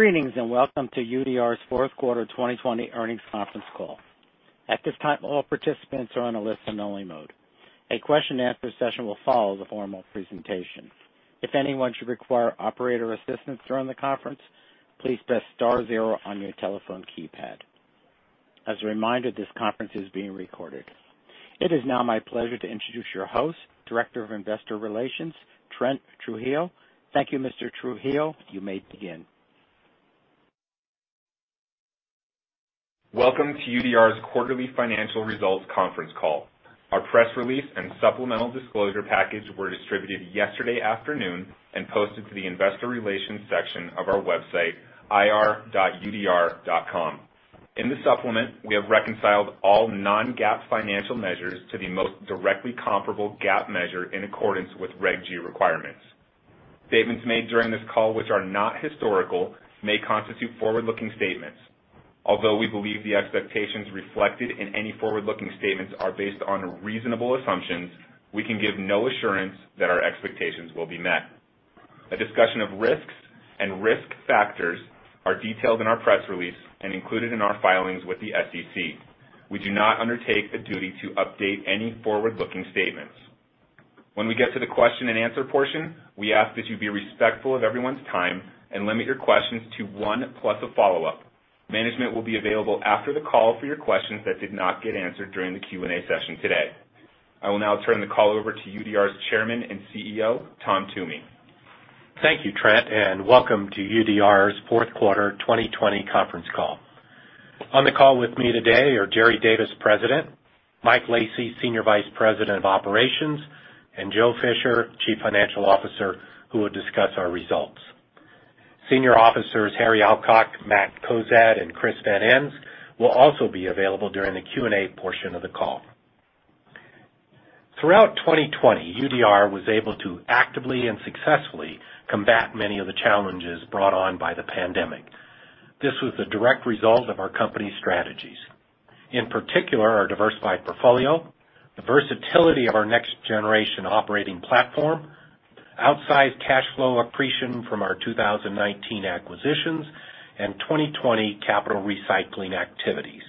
Greetings, welcome to UDR's fourth quarter 2020 earnings conference call. At this time, all participants are on a listen-only mode. A question-and-answer session will follow the formal presentation. If anyone should require operator assistance during the conference, please press star zero on your telephone keypad. As a reminder, this conference is being recorded. It is now my pleasure to introduce your host, Director of Investor Relations, Trent Trujillo. Thank you, Mr. Trujillo. You may begin. Welcome to UDR's quarterly financial results conference call. Our press release and supplemental disclosure package were distributed yesterday afternoon and posted to the Investor Relations section of our website, ir.udr.com. In the supplement, we have reconciled all non-GAAP financial measures to the most directly comparable GAAP measure in accordance with Reg G requirements. Statements made during this call, which are not historical, may constitute forward-looking statements. Although we believe the expectations reflected in any forward-looking statements are based on reasonable assumptions, we can give no assurance that our expectations will be met. A discussion of risks and Risk Factors are detailed in our press release and included in our filings with the SEC. We do not undertake a duty to update any forward-looking statements. When we get to the question-and-answer portion, we ask that you be respectful of everyone's time and limit your questions to one plus a follow-up. Management will be available after the call for your questions that did not get answered during the Q&A session today. I will now turn the call over to UDR's Chairman and CEO, Tom Toomey. Thank you, Trent, and welcome to UDR's fourth quarter 2020 conference call. On the call with me today are Jerry Davis, President, Mike Lacy, Senior Vice President of Operations, and Joe Fisher, Chief Financial Officer, who will discuss our results. Senior officers Harry Alcock, Matt Cozad, and Chris Van Ens will also be available during the Q&A portion of the call. Throughout 2020, UDR was able to actively and successfully combat many of the challenges brought on by the pandemic. This was the direct result of our company's strategies, in particular, our diversified portfolio, the versatility of our Next Generation Operating Platform, outsized cash flow accretion from our 2019 acquisitions, and 2020 capital recycling activities,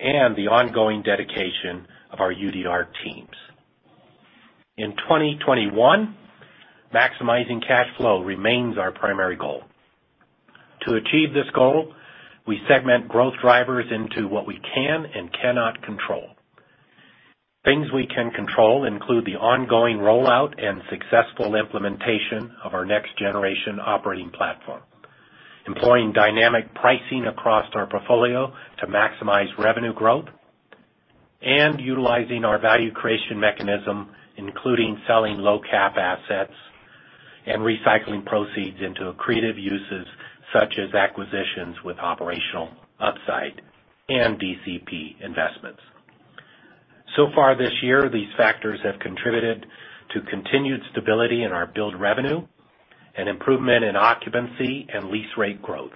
and the ongoing dedication of our UDR teams. In 2021, maximizing cash flow remains our primary goal. To achieve this goal, we segment growth drivers into what we can and cannot control. Things we can control include the ongoing rollout and successful implementation of our Next Generation Operating Platform, employing dynamic pricing across our portfolio to maximize revenue growth, and utilizing our value creation mechanism, including selling low-cap assets and recycling proceeds into accretive uses such as acquisitions with operational upside and DCP investments. Far this year, these factors have contributed to continued stability in our billed revenue and improvement in occupancy and lease rate growth.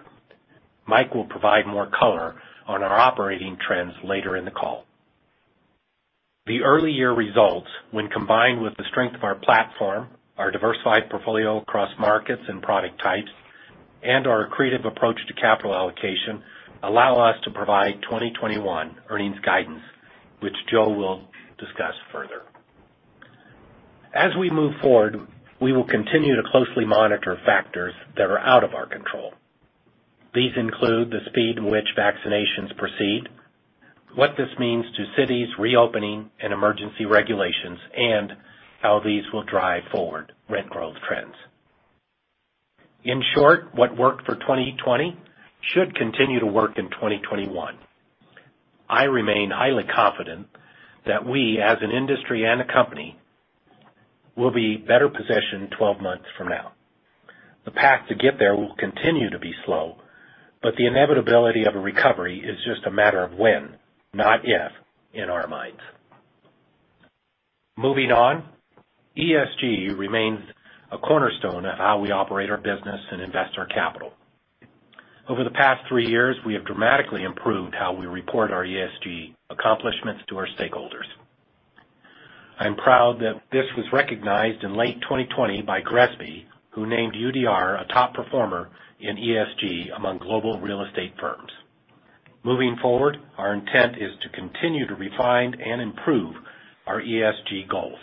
Mike will provide more color on our operating trends later in the call. The early year results, when combined with the strength of our platform, our diversified portfolio across markets and product types, and our creative approach to capital allocation, allow us to provide 2021 earnings guidance, which Joe will discuss further. As we move forward, we will continue to closely monitor factors that are out of our control. These include the speed in which vaccinations proceed, what this means to cities reopening and emergency regulations, and how these will drive forward rent growth trends. In short, what worked for 2020 should continue to work in 2021. I remain highly confident that we, as an industry and a company, will be better positioned 12 months from now. The path to get there will continue to be slow, but the inevitability of a recovery is just a matter of when, not if, in our minds. Moving on, ESG remains a cornerstone of how we operate our business and invest our capital. Over the past three years, we have dramatically improved how we report our ESG accomplishments to our stakeholders. I'm proud that this was recognized in late 2020 by GRESB, who named UDR a top performer in ESG among global real estate firms. Moving forward, our intent is to continue to refine and improve our ESG goals,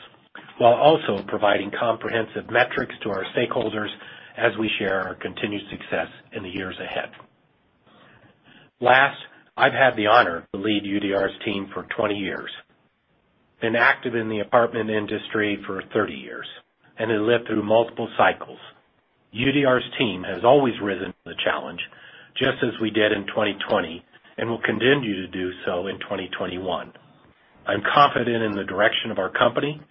while also providing comprehensive metrics to our stakeholders as we share our continued success in the years ahead. Last, I've had the honor to lead UDR's team for 20 years, been active in the apartment industry for 30 years, and have lived through multiple cycles. UDR's team has always risen to the challenge, just as we did in 2020, and will continue to do so in 2021. I'm confident in the direction of our company,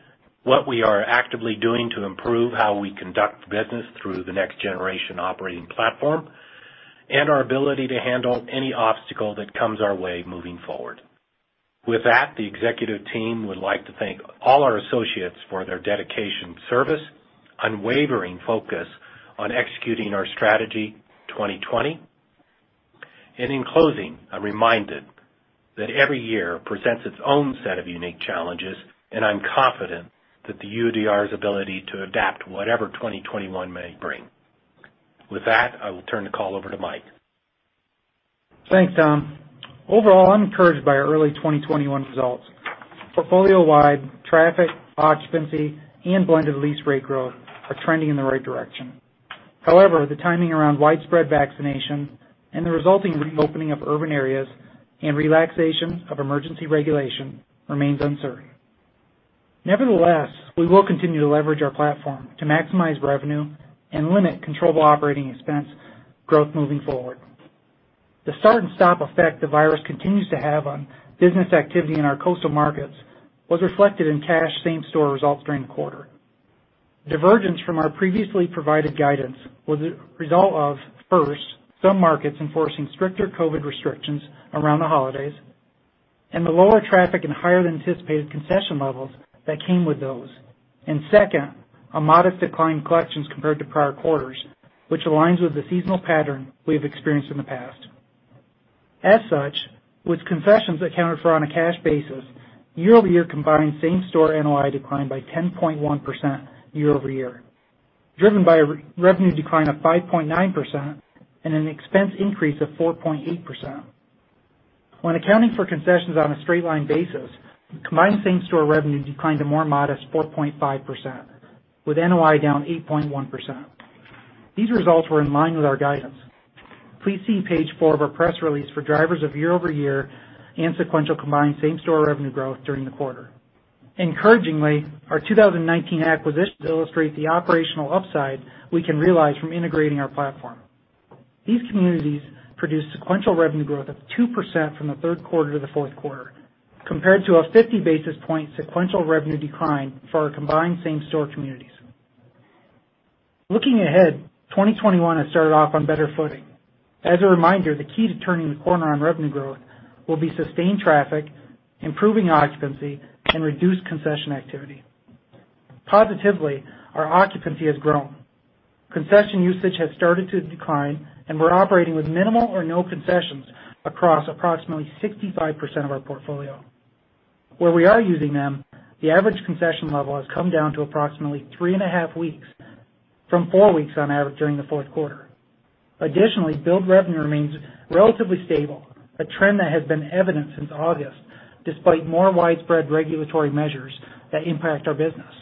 what we are actively doing to improve how we conduct business through the Next Generation Operating Platform, and our ability to handle any obstacle that comes our way moving forward. With that, the executive team would like to thank all our associates for their dedication, service, unwavering focus on executing our strategy in 2020. In closing, I'm reminded that every year presents its own set of unique challenges, and I'm confident that the UDR's ability to adapt whatever 2021 may bring. With that, I will turn the call over to Mike. Thanks, Tom. Overall, I'm encouraged by our early 2021 results. Portfolio-wide traffic, occupancy, and blended lease rate growth are trending in the right direction. However, the timing around widespread vaccination and the resulting reopening of urban areas and relaxation of emergency regulation remains uncertain. Nevertheless, we will continue to leverage our platform to maximize revenue and limit controllable operating expense growth moving forward. The start-and-stop effect the virus continues to have on business activity in our coastal markets was reflected in cash same-store results during the quarter. Divergence from our previously provided guidance was a result of, first, some markets enforcing stricter COVID restrictions around the holidays, and the lower traffic and higher than anticipated concession levels that came with those. Second, a modest decline in collections compared to prior quarters, which aligns with the seasonal pattern we have experienced in the past. As such, with concessions accounted for on a cash basis, year-over-year combined same store NOI declined by 10.1% year-over-year, driven by a revenue decline of 5.9% and an expense increase of 4.8%. When accounting for concessions on a straight line basis, combined same store revenue declined a more modest 4.5%, with NOI down 8.1%. These results were in line with our guidance. Please see page four of our press release for drivers of year-over-year and sequential combined same store revenue growth during the quarter. Encouragingly, our 2019 acquisitions illustrate the operational upside we can realize from integrating our platform. These communities produced sequential revenue growth of 2% from the third quarter to the fourth quarter, compared to a 50 basis point sequential revenue decline for our combined same store communities. Looking ahead, 2021 has started off on better footing. As a reminder, the key to turning the corner on revenue growth will be sustained traffic, improving occupancy, and reduced concession activity. Positively, our occupancy has grown. Concession usage has started to decline, and we're operating with minimal or no concessions across approximately 65% of our portfolio. Where we are using them, the average concession level has come down to approximately three and a half weeks from four weeks on average during the fourth quarter. Billed revenue remains relatively stable, a trend that has been evident since August, despite more widespread regulatory measures that impact our business.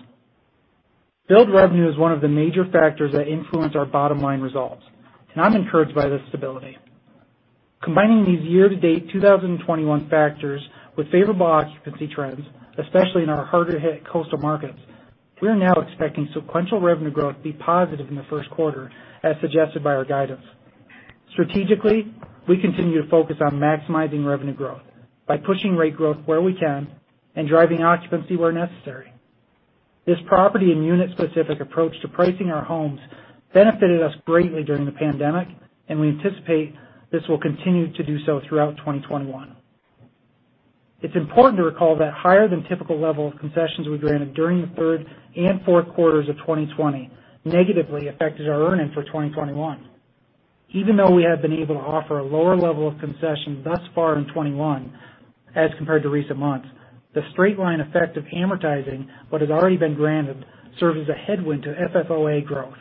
Billed revenue is one of the major factors that influence our bottom-line results, and I'm encouraged by this stability. Combining these year-to-date 2021 factors with favorable occupancy trends, especially in our harder-hit coastal markets, we are now expecting sequential revenue growth to be positive in the first quarter as suggested by our guidance. Strategically, we continue to focus on maximizing revenue growth by pushing rate growth where we can and driving occupancy where necessary. This property and unit-specific approach to pricing our homes benefited us greatly during the pandemic, and we anticipate this will continue to do so throughout 2021. It is important to recall that higher than typical level of concessions we granted during the third and fourth quarters of 2020 negatively affected our earnings for 2021. Even though we have been able to offer a lower level of concession thus far in 2021 as compared to recent months, the straight-line effect of amortizing what has already been granted serves as a headwind to FFOA growth.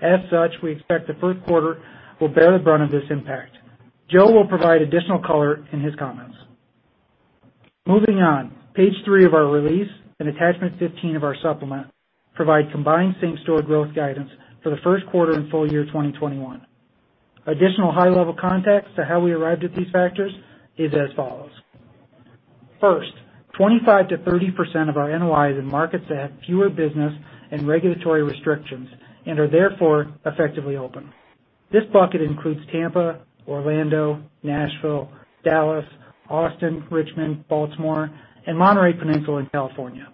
As such, we expect the first quarter will bear the brunt of this impact. Joe will provide additional color in his comments. Moving on. Page three of our release and attachment 15 of our supplement provide combined same store growth guidance for the first quarter and full-year 2021. Additional high-level context to how we arrived at these factors is as follows. 25%-30% of our NOI is in markets that have fewer business and regulatory restrictions and are therefore effectively open. This bucket includes Tampa, Orlando, Nashville, Dallas, Austin, Richmond, Baltimore, and Monterey Peninsula in California.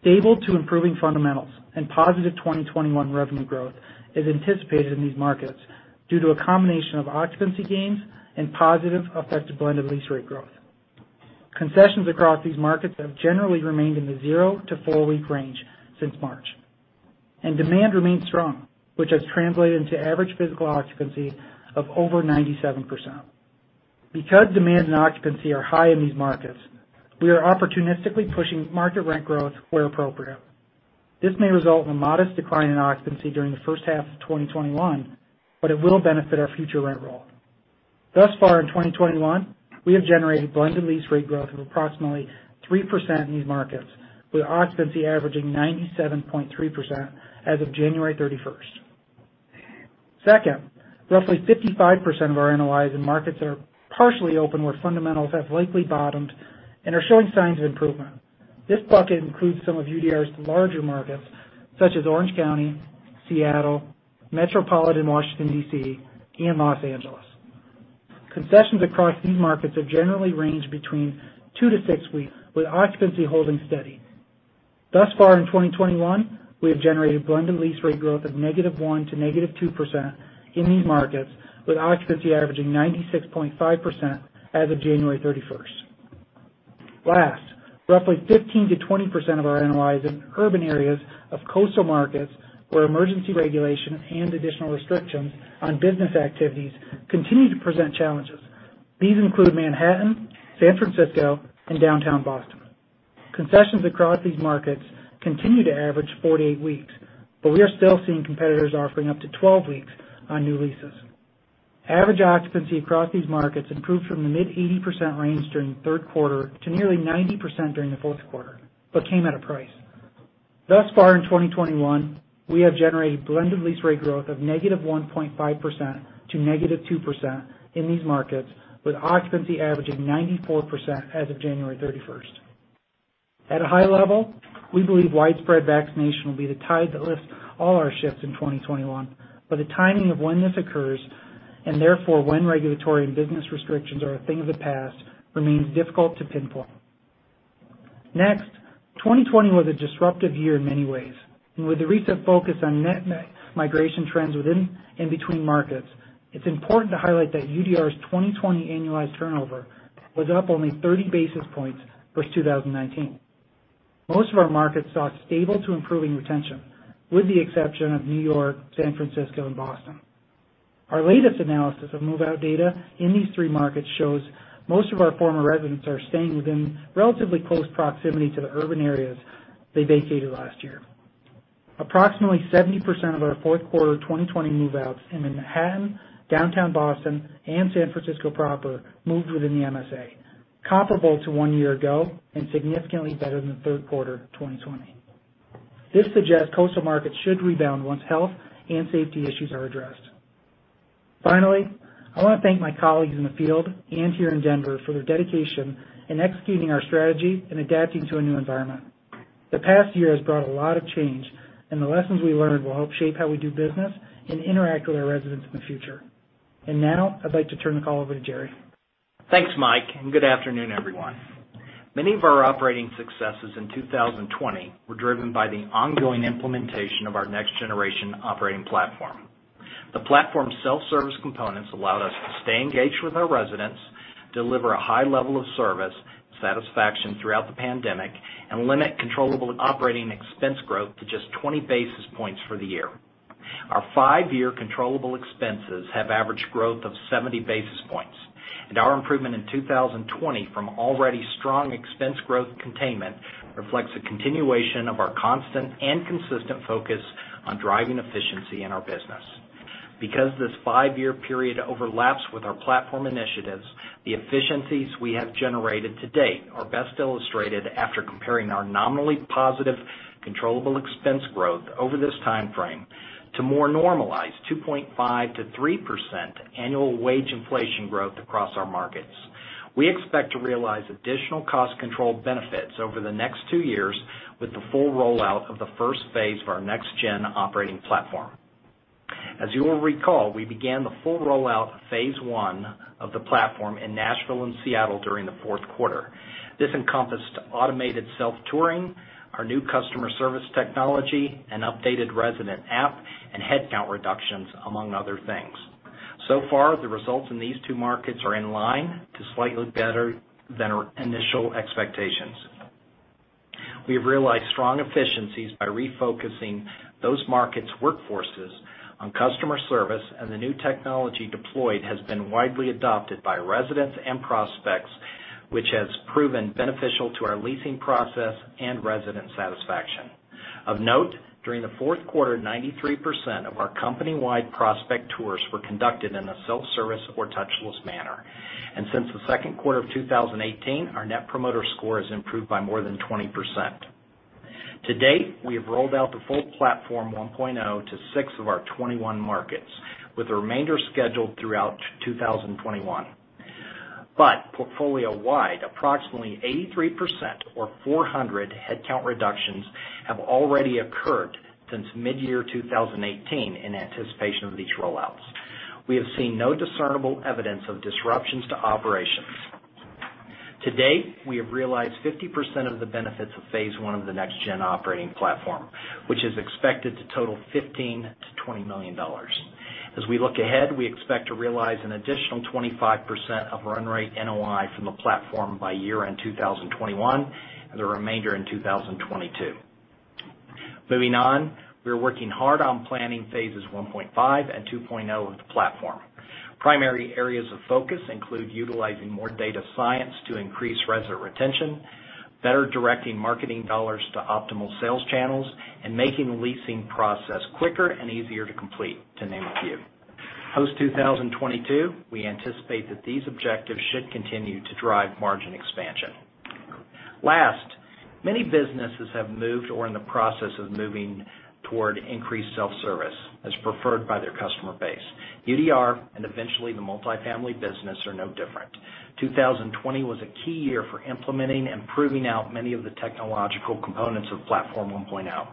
Stable to improving fundamentals and positive 2021 revenue growth is anticipated in these markets due to a combination of occupancy gains and positive effective blended lease rate growth. Concessions across these markets have generally remained in the zero to four-week range since March. Demand remains strong, which has translated into average physical occupancy of over 97%. Because demand and occupancy are high in these markets, we are opportunistically pushing market rent growth where appropriate. This may result in a modest decline in occupancy during the first half of 2021, but it will benefit our future rent roll. Thus far in 2021, we have generated blended lease rate growth of approximately 3% in these markets, with occupancy averaging 97.3% as of January 31st. Second, roughly 55% of our NOI is in markets that are partially open where fundamentals have likely bottomed and are showing signs of improvement. This bucket includes some of UDR's larger markets such as Orange County, Seattle, Metropolitan Washington, D.C., and Los Angeles. Concessions across these markets have generally ranged between two to six weeks, with occupancy holding steady. Thus far in 2021, we have generated blended lease rate growth of -1% to -2% in these markets, with occupancy averaging 96.5% as of January 31st. Last, roughly 15%-20% of our NOI is in urban areas of coastal markets where emergency regulation and additional restrictions on business activities continue to present challenges. These include Manhattan, San Francisco, and downtown Boston. Concessions across these markets continue to average 4-8 weeks, but we are still seeing competitors offering up to 12 weeks on new leases. Average occupancy across these markets improved from the mid 80% range during the third quarter to nearly 90% during the fourth quarter, but came at a price. Thus far in 2021, we have generated blended lease rate growth of -1.5% to -2% in these markets, with occupancy averaging 94% as of January 31st. At a high level, we believe widespread vaccination will be the tide that lifts all our ships in 2021, but the timing of when this occurs, and therefore when regulatory and business restrictions are a thing of the past, remains difficult to pinpoint. Next, 2020 was a disruptive year in many ways. With the recent focus on net migration trends within and between markets, it's important to highlight that UDR's 2020 annualized turnover was up only 30 basis points versus 2019. Most of our markets saw stable to improving retention, with the exception of New York, San Francisco, and Boston. Our latest analysis of move-out data in these three markets shows most of our former residents are staying within relatively close proximity to the urban areas they vacated last year. Approximately 70% of our fourth quarter 2020 move-outs in Manhattan, downtown Boston, and San Francisco proper moved within the MSA, comparable to one year ago and significantly better than the third quarter of 2020. This suggests coastal markets should rebound once health and safety issues are addressed. Finally, I want to thank my colleagues in the field and here in Denver for their dedication in executing our strategy and adapting to a new environment. The past year has brought a lot of change, and the lessons we learned will help shape how we do business and interact with our residents in the future. Now I'd like to turn the call over to Jerry. Thanks, Mike, and good afternoon, everyone. Many of our operating successes in 2020 were driven by the ongoing implementation of our Next Generation Operating Platform. The platform's self-service components allowed us to stay engaged with our residents, deliver a high level of service satisfaction throughout the pandemic, and limit controllable operating expense growth to just 20 basis points for the year. Our five-year controllable expenses have average growth of 70 basis points. Our improvement in 2020 from already strong expense growth containment reflects a continuation of our constant and consistent focus on driving efficiency in our business. Because this five-year period overlaps with our platform initiatives, the efficiencies we have generated to date are best illustrated after comparing our nominally positive controllable expense growth over this timeframe to more normalized 2.5%-3% annual wage inflation growth across our markets. We expect to realize additional cost control benefits over the next two years with the full rollout of the first phase of our Next Gen Operating Platform. As you will recall, we began the full rollout of phase I of the Platform in Nashville and Seattle during the fourth quarter. This encompassed automated self-touring, our new customer service technology, an updated resident app, and headcount reductions, among other things. So far, the results in these two markets are in line to slightly better than our initial expectations. We have realized strong efficiencies by refocusing those markets' workforces on customer service, and the new technology deployed has been widely adopted by residents and prospects, which has proven beneficial to our leasing process and resident satisfaction. Of note, during the fourth quarter, 93% of our company-wide prospect tours were conducted in a self-service or touchless manner. Since the second quarter of 2018, our Net Promoter Score has improved by more than 20%. To date, we have rolled out the full Platform 1.0 to six of our 21 markets, with the remainder scheduled throughout 2021. Portfolio-wide, approximately 83%, or 400 headcount reductions have already occurred since midyear 2018 in anticipation of these rollouts. We have seen no discernible evidence of disruptions to operations. To date, we have realized 50% of the benefits of phase I of the Next Gen Operating Platform, which is expected to total $15 million-$20 million. As we look ahead, we expect to realize an additional 25% of run rate NOI from the platform by year-end 2021, and the remainder in 2022. Moving on, we are working hard on planning phases 1.5 and 2.0 of the platform. Primary areas of focus include utilizing more data science to increase resident retention, better directing marketing dollars to optimal sales channels, and making the leasing process quicker and easier to complete, to name a few. Post-2022, we anticipate that these objectives should continue to drive margin expansion. Last, many businesses have moved or are in the process of moving toward increased self-service as preferred by their customer base. UDR, and eventually the multifamily business, are no different. 2020 was a key year for implementing and proving out many of the technological components of Platform 1.0.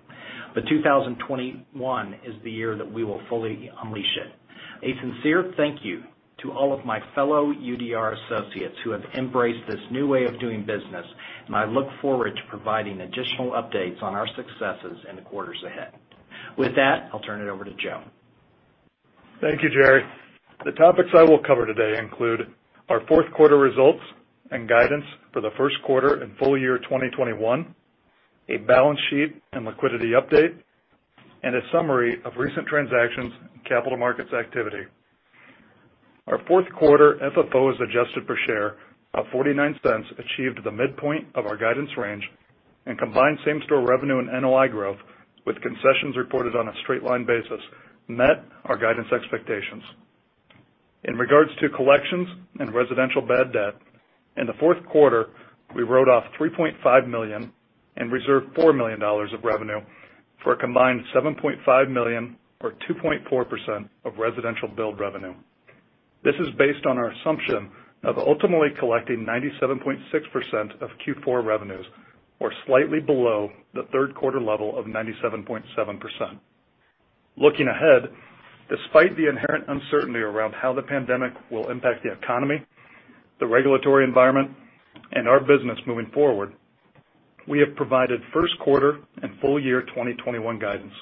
2021 is the year that we will fully unleash it. A sincere thank you to all of my fellow UDR associates who have embraced this new way of doing business, and I look forward to providing additional updates on our successes in the quarters ahead. With that, I'll turn it over to Joe. Thank you, Jerry. The topics I will cover today include our fourth quarter results and guidance for the first quarter and full year 2021, a balance sheet and liquidity update, and a summary of recent transactions and capital markets activity. Our fourth quarter FFO as adjusted per share of $0.49 achieved the midpoint of our guidance range, and combined same-store revenue and NOI growth with concessions reported on a straight-line basis met our guidance expectations. In regards to collections and residential bad debt, in the fourth quarter, we wrote off $3.5 million and reserved $4 million of revenue for a combined $7.5 million or 2.4% of residential billed revenue. This is based on our assumption of ultimately collecting 97.6% of Q4 revenues, or slightly below the third quarter level of 97.7%. Looking ahead, despite the inherent uncertainty around how the pandemic will impact the economy, the regulatory environment, and our business moving forward, we have provided first quarter and full-year 2021 guidance.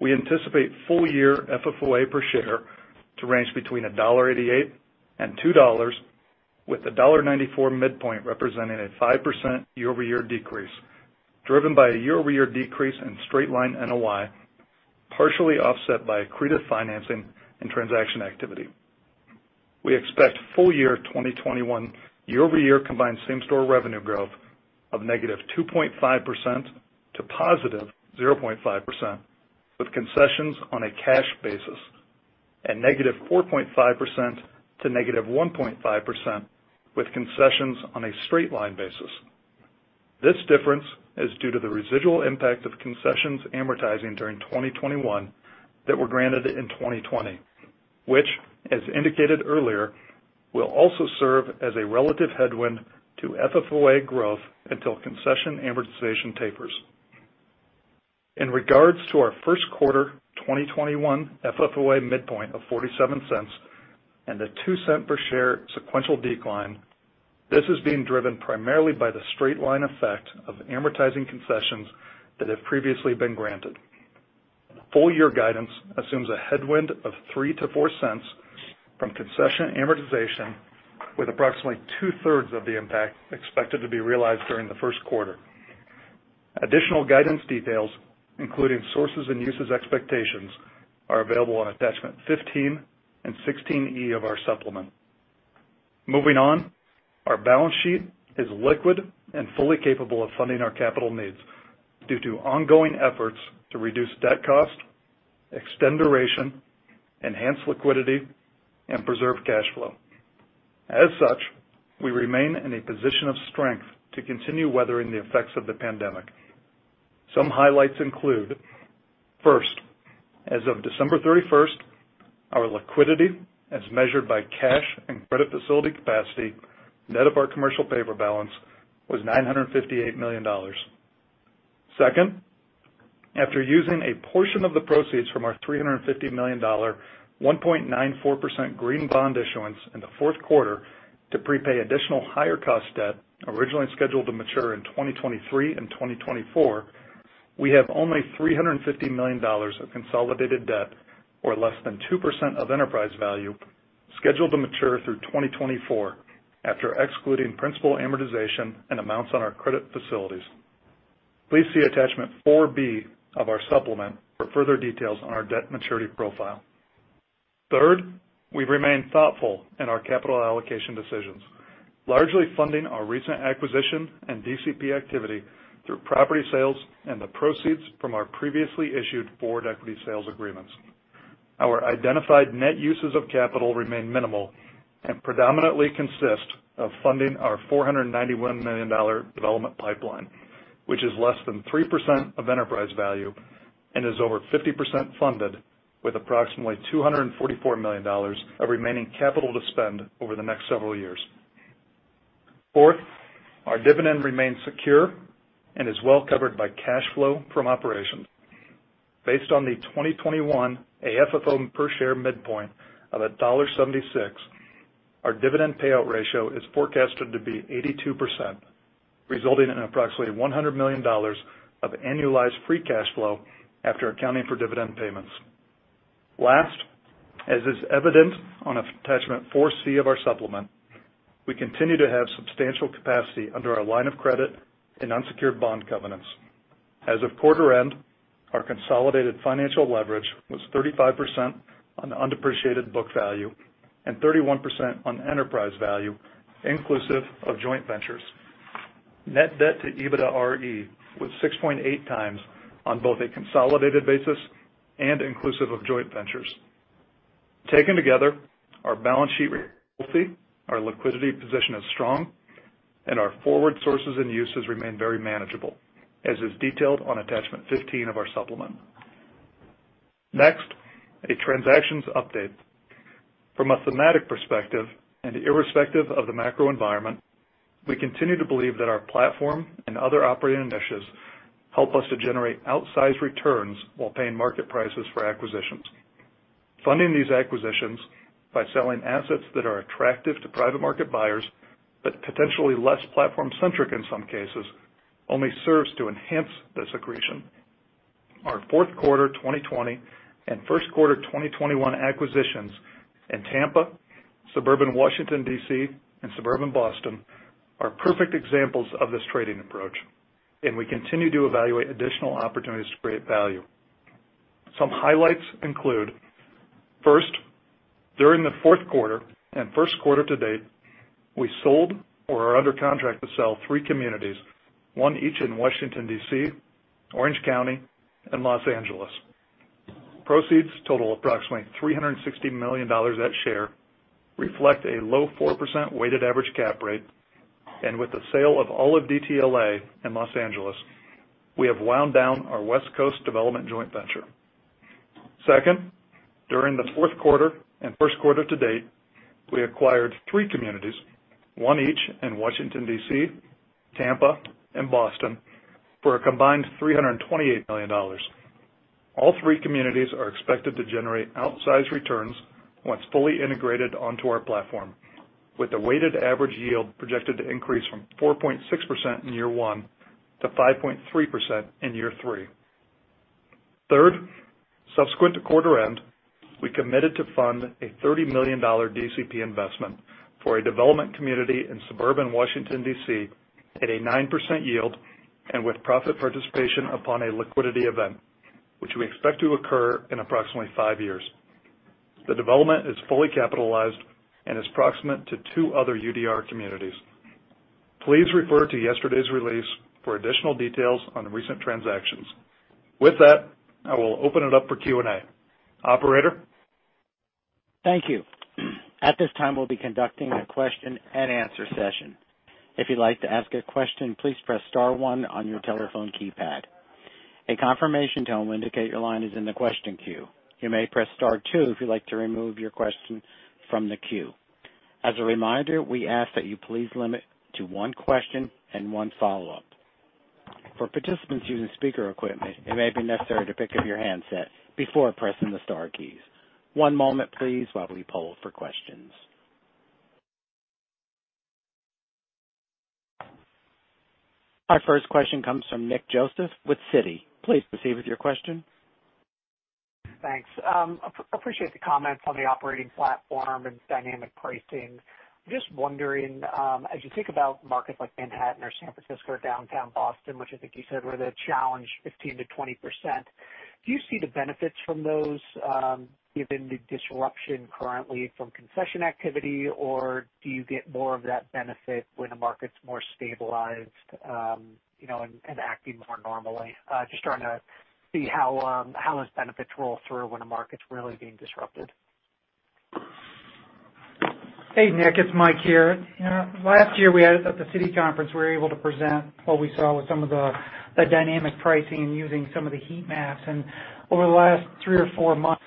We anticipate full-year FFOA per share to range between $1.88 and $2.00, with $1.94 midpoint representing a 5% year-over-year decrease, driven by a year-over-year decrease in straight-line NOI, partially offset by accretive financing and transaction activity. We expect full-year 2021 year-over-year combined same-store revenue growth of -2.5% to +0.5% with concessions on a cash basis and -4.5% to -1.5% with concessions on a straight-line basis. This difference is due to the residual impact of concessions amortizing during 2021 that were granted in 2020, which, as indicated earlier, will also serve as a relative headwind to FFOA growth until concession amortization tapers. In regards to our first quarter 2021 FFOA midpoint of $0.47 and a $0.02 per share sequential decline, this is being driven primarily by the straight line effect of amortizing concessions that have previously been granted. Full-year guidance assumes a headwind of $0.03-$0.04 from concession amortization with approximately two-thirds of the impact expected to be realized during the first quarter. Additional guidance details, including sources and uses expectations, are available on attachment 15 and 16E of our supplement. Moving on, our balance sheet is liquid and fully capable of funding our capital needs due to ongoing efforts to reduce debt cost, extend duration, enhance liquidity, and preserve cash flow. We remain in a position of strength to continue weathering the effects of the pandemic. Some highlights include, first, as of December 31st, our liquidity as measured by cash and credit facility capacity, net of our commercial paper balance, was $958 million. Second, after using a portion of the proceeds from our $350 million 1.94% green bond issuance in the fourth quarter to prepay additional higher cost debt originally scheduled to mature in 2023 and 2024, we have only $350 million of consolidated debt, or less than 2% of enterprise value, scheduled to mature through 2024 after excluding principal amortization and amounts on our credit facilities. Please see attachment 4B of our supplement for further details on our debt maturity profile. Third, we've remained thoughtful in our capital allocation decisions, largely funding our recent acquisition and DCP activity through property sales and the proceeds from our previously issued forward equity sales agreements. Our identified net uses of capital remain minimal and predominantly consist of funding our $491 million development pipeline, which is less than 3% of enterprise value and is over 50% funded with approximately $244 million of remaining capital to spend over the next several years. Fourth, our dividend remains secure and is well covered by cash flow from operations. Based on the 2021 AFFO per share midpoint of $1.76, our dividend payout ratio is forecasted to be 82%, resulting in approximately $100 million of annualized free cash flow after accounting for dividend payments. Last, as is evident on attachment 4C of our supplement, we continue to have substantial capacity under our line of credit and unsecured bond covenants. As of quarter end, our consolidated financial leverage was 35% on the undepreciated book value and 31% on enterprise value inclusive of joint ventures. Net debt to EBITDA was 6.8x on both a consolidated basis and inclusive of joint ventures. Taken together, our balance sheet our liquidity position is strong and our forward sources and uses remain very manageable, as is detailed on attachment 15 of our supplement. Next, a transactions update. From a thematic perspective and irrespective of the macro environment, we continue to believe that our platform and other operating initiatives help us to generate outsized returns while paying market prices for acquisitions. Funding these acquisitions by selling assets that are attractive to private market buyers, but potentially less platform-centric in some cases only serves to enhance this accretion. Our fourth quarter 2020 and first quarter 2021 acquisitions in Tampa, suburban Washington, D.C., and suburban Boston are perfect examples of this trading approach, and we continue to evaluate additional opportunities to create value. Some highlights include first, during the fourth quarter and first quarter to date, we sold or are under contract to sell three communities, one each in Washington, D.C., Orange County, and Los Angeles. Proceeds total approximately $360 million at share, reflect a low 4% weighted average cap rate, and with the sale of OLiVE DTLA in Los Angeles, we have wound down our West Coast development joint venture. Second, during the fourth quarter and first quarter to date, we acquired three communities, one each in Washington, D.C., Tampa, and Boston, for a combined $328 million. All three communities are expected to generate outsized returns once fully integrated onto our platform, with the weighted average yield projected to increase from 4.6% in year one to 5.3% in year three. Third, subsequent to quarter end, we committed to fund a $30 million DCP investment for a development community in suburban Washington, D.C., at a 9% yield, and with profit participation upon a liquidity event, which we expect to occur in approximately five years. The development is fully capitalized and is proximate to two other UDR communities. Please refer to yesterday's release for additional details on recent transactions. With that, I will open it up for Q&A. Operator? Thank you. At this time, we'll be conducting a question-and-answer session. If you'd like to ask a question, please press star one on your telephone keypad. A confirmation tone will indicate your line is in the question queue. You may press star two if you'd like to remove your question from the queue. As a reminder, we ask that you please limit to one question and one follow-up. For participants using speaker equipment, it may be necessary to pick up your handset before pressing the star keys. One moment, please, while we poll for questions. Our first question comes from Nick Joseph with Citi. Please proceed with your question. Thanks. Appreciate the comments on the operating platform and dynamic pricing. Just wondering, as you think about markets like Manhattan or San Francisco or downtown Boston, which I think you said were the challenge 15%-20%, do you see the benefits from those, given the disruption currently from concession activity, or do you get more of that benefit when the market's more stabilized, you know, and acting more normally? Just trying to see how those benefits roll through when a market's really being disrupted. Hey, Nick, it's Mike here. You know, last year we had At the Citi conference, we were able to present what we saw with some of the dynamic pricing and using some of the heat maps. Over the last three or four months,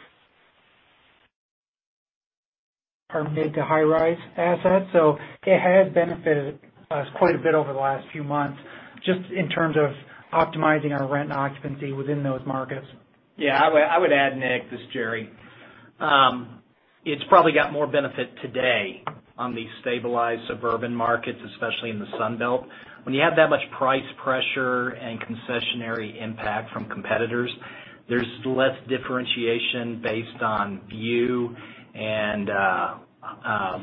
our mid to high-rise assets, it has benefited us quite a bit over the last few months just in terms of optimizing our rent and occupancy within those markets. Yeah. I would add Nick, this is Jerry. It's probably got more benefit today on the stabilized suburban markets, especially in the Sun Belt. When you have that much price pressure and concessionary impact from competitors, there's less differentiation based on view and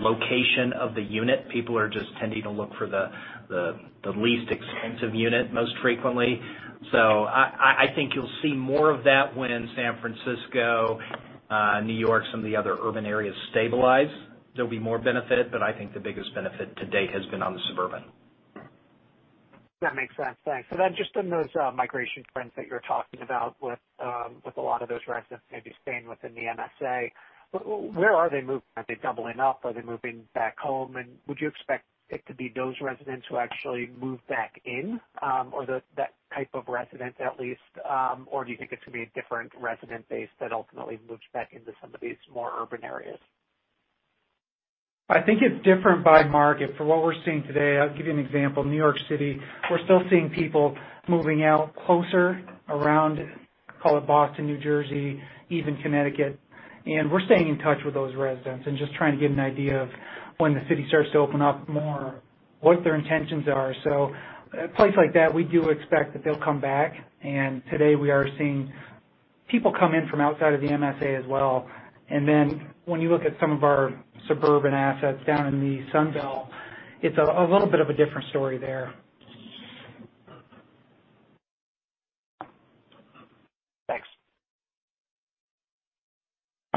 location of the unit. People are just tending to look for the least expensive unit most frequently. I think you'll see more of that when San Francisco, New York, some of the other urban areas stabilize. There'll be more benefit. I think the biggest benefit to date has been on the suburban. That makes sense. Thanks. Just on those migration trends that you're talking about with a lot of those residents maybe staying within the MSA, where are they moving? Are they doubling up? Are they moving back home? Would you expect it to be those residents who actually move back in, or that type of resident at least, or do you think it's gonna be a different resident base that ultimately moves back into some of these more urban areas? I think it's different by market. From what we're seeing today, I'll give you an example. New York City, we're still seeing people moving out closer around, call it Boston, New Jersey, even Connecticut. We're staying in touch with those residents and just trying to get an idea of when the city starts to open up more, what their intentions are. A place like that, we do expect that they'll come back. Today we are seeing people come in from outside of the MSA as well. When you look at some of our suburban assets down in the Sun Belt, it's a little bit of a different story there.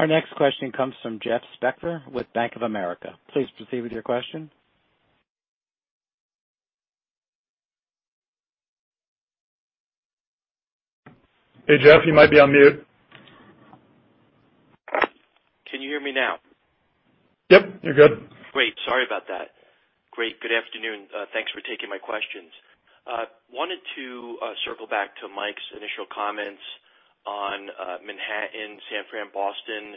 Thanks. Our next question comes from Jeff Spector with Bank of America. Please proceed with your question. Hey, Jeff, you might be on mute. Can you hear me now? Yep, you're good. Great. Sorry about that. Great. Good afternoon. Thanks for taking my questions. Wanted to circle back to Mike's initial comments on Manhattan, San Fran, Boston,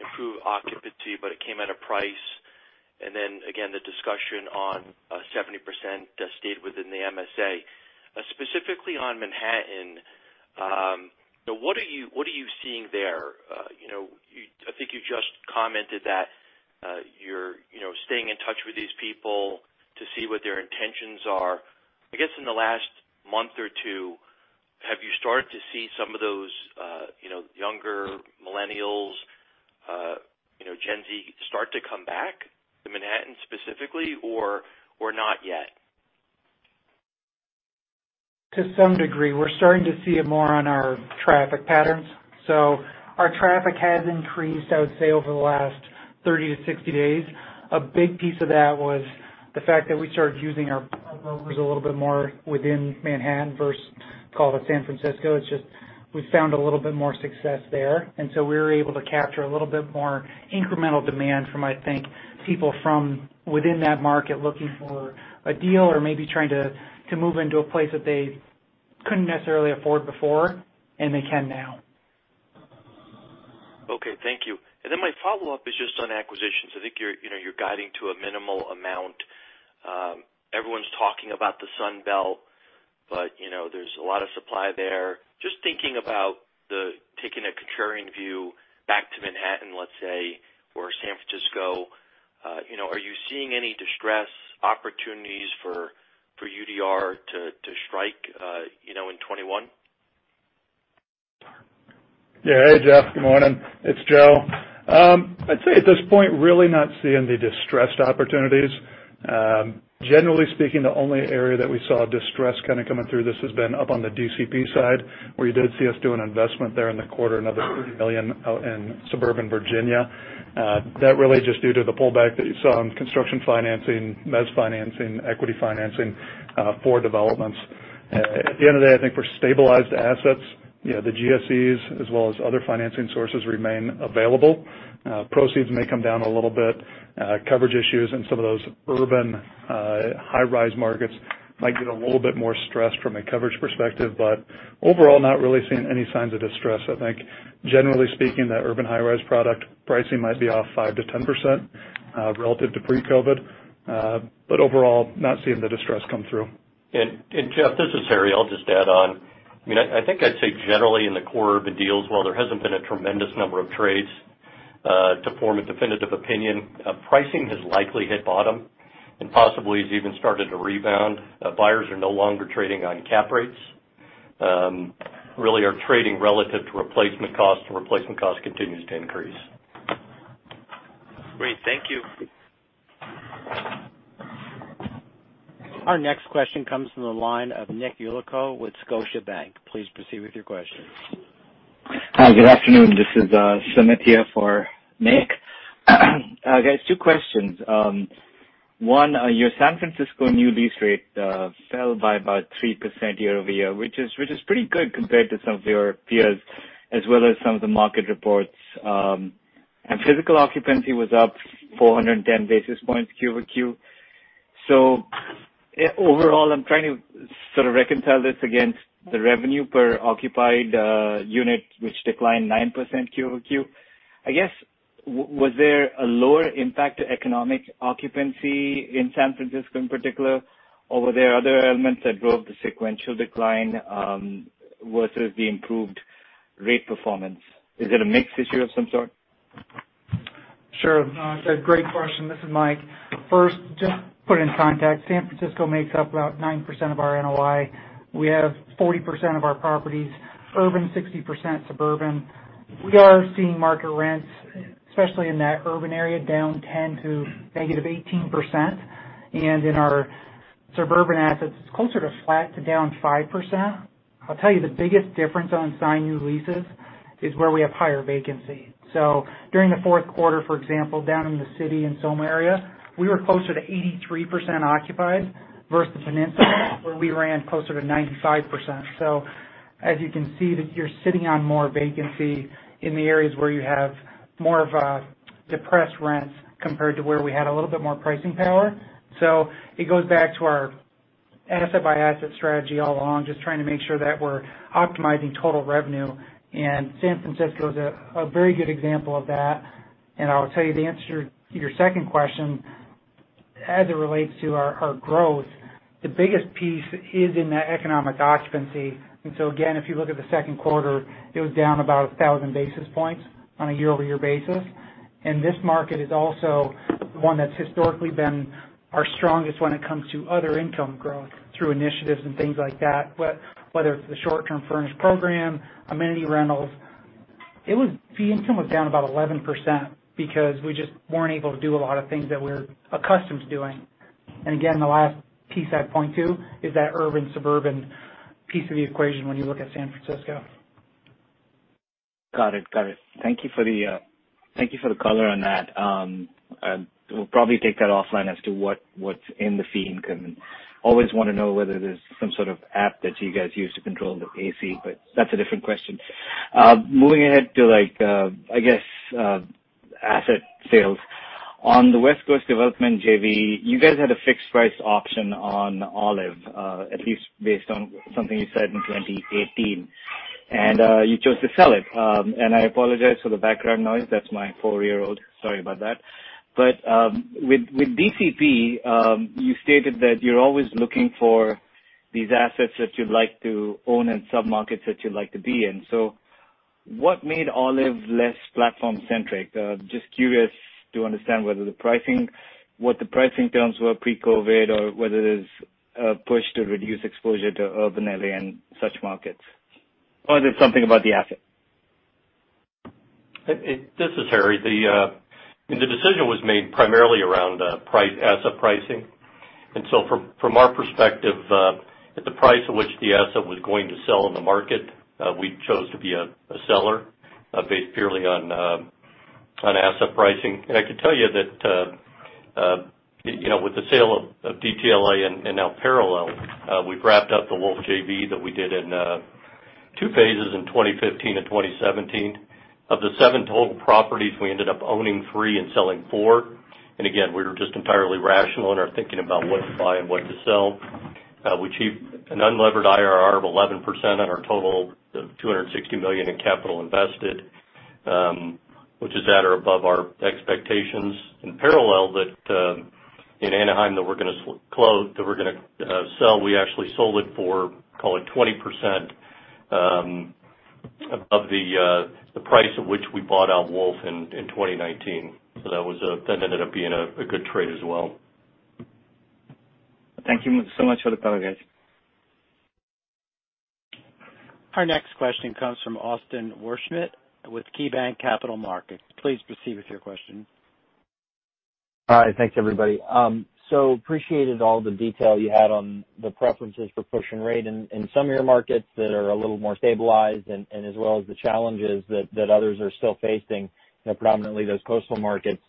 improved occupancy, but it came at a price. Then again, the discussion on 70% that stayed within the MSA. Specifically on Manhattan, what are you seeing there? I think you just commented that you're staying in touch with these people to see what their intentions are. I guess in the last month or two, have you started to see some of those younger millennials, Gen Z, start to come back to Manhattan specifically, or not yet? To some degree. We're starting to see it more on our traffic patterns. Our traffic has increased, I would say, over the last 30-60 days. A big piece of that was the fact that we started using our brokers a little bit more within Manhattan versus California, San Francisco. It's just we found a little bit more success there, we were able to capture a little bit more incremental demand from, I think, people from within that market looking for a deal or maybe trying to move into a place that they couldn't necessarily afford before, and they can now. Okay. Thank you. My follow-up is just on acquisitions. I think you're guiding to a minimal amount. Everyone's talking about the Sun Belt, but there's a lot of supply there. Just thinking about taking a contrarian view back to Manhattan, let's say, or San Francisco, are you seeing any distress opportunities for UDR to strike in 2021? Yeah. Hey, Jeff. Good morning. It's Joe. I'd say at this point, really not seeing the distressed opportunities. Generally speaking, the only area that we saw distress kind of coming through this has been up on the DCP side, where you did see us do an investment there in the quarter, another $30 million out in suburban Virginia. That really just due to the pullback that you saw in construction financing, mezz financing, equity financing, for developments. At the end of the day, I think for stabilized assets, the GSEs as well as other financing sources remain available. Proceeds may come down a little bit. Coverage issues in some of those urban high-rise markets might get a little bit more stressed from a coverage perspective. Overall, not really seeing any signs of distress. I think generally speaking, that urban high-rise product pricing might be off 5%-10% relative to pre-COVID. Overall, not seeing the distress come through. Jeff, this is Harry. I'll just add on. I think I'd say generally in the core urban deals, while there hasn't been a tremendous number of trades to form a definitive opinion, pricing has likely hit bottom and possibly has even started to rebound. Buyers are no longer trading on cap rates. Really are trading relative to replacement cost, and replacement cost continues to increase. Great. Thank you. Our next question comes from the line of Nick Yulico with Scotiabank. Please proceed with your question. Hi. Good afternoon. This is Sumit here for Nick. Guys, two questions. One, your San Francisco new lease rate fell by about 3% year-over-year, which is pretty good compared to some of your peers, as well as some of the market reports. Physical occupancy was up 410 basis points Q-over-Q. Overall, I'm trying to sort of reconcile this against the revenue per occupied unit, which declined 9% Q-over-Q. I guess, was there a lower impact to economic occupancy in San Francisco in particular? Were there other elements that drove the sequential decline versus the improved rate performance? Is it a mix issue of some sort? It's a great question. This is Mike. Just put in context, San Francisco makes up about 9% of our NOI. We have 40% of our properties urban, 60% suburban. We are seeing market rents, especially in that urban area, down 10% to -18%. In our suburban assets, it's closer to flat to down 5%. I'll tell you, the biggest difference on signed new leases is where we have higher vacancy. During the fourth quarter, for example, down in the city in SoMa area, we were closer to 83% occupied versus Peninsula, where we ran closer to 95%. As you can see that you're sitting on more vacancy in the areas where you have more of a depressed rent compared to where we had a little bit more pricing power. It goes back to our asset-by-asset strategy all along, just trying to make sure that we're optimizing total revenue. San Francisco is a very good example of that. I'll tell you to answer your second question, as it relates to our growth, the biggest piece is in the economic occupancy. Again, if you look at the second quarter, it was down about 1,000 basis points on a year-over-year basis. This market is also one that's historically been our strongest when it comes to other income growth through initiatives and things like that, whether it's the short-term furnished program, amenity rentals. The income was down about 11% because we just weren't able to do a lot of things that we're accustomed to doing. The last piece I'd point to is that urban-suburban piece of the equation when you look at San Francisco. Got it. Thank you for the color on that. We'll probably take that offline as to what's in the feed. Always want to know whether there's some sort of app that you guys use to control the AC, that's a different question. Moving ahead to asset sales. On the West Coast development JV, you guys had a fixed price option on OLiVE, at least based on something you said in 2018. You chose to sell it. I apologize for the background noise. That's my four-year-old. Sorry about that. With DCP, you stated that you're always looking for these assets that you'd like to own in sub-markets that you'd like to be in. What made OLiVE less platform-centric? Just curious to understand whether the pricing, what the pricing terms were pre-COVID, or whether it is a push to reduce exposure to urban L.A. and such markets, or is it something about the asset? This is Harry. The decision was made primarily around price, asset pricing. From our perspective, at the price at which the asset was going to sell in the market, we chose to be a seller based purely on asset pricing. I can tell you that, with the sale of DTLA and now Parallel, we've wrapped up the Wolff JV that we did in two phases in 2015 and 2017. Of the seven total properties, we ended up owning three and selling four. Again, we were just entirely rational in our thinking about what to buy and what to sell. We achieved an unlevered IRR of 11% on our total of $260 million in capital invested, which is at or above our expectations. In Parallel, that in Anaheim, that we're going to sell, we actually sold it for, call it, 20% above the price at which we bought out Wolff in 2019. That ended up being a good trade as well. Thank you so much for the color, guys. Our next question comes from Austin Wurschmidt with KeyBanc Capital Markets. Please proceed with your question. Hi. Thanks, everybody. Appreciated all the detail you had on the preferences for pushing rate in some of your markets that are a little more stabilized and as well as the challenges that others are still facing, predominantly those coastal markets.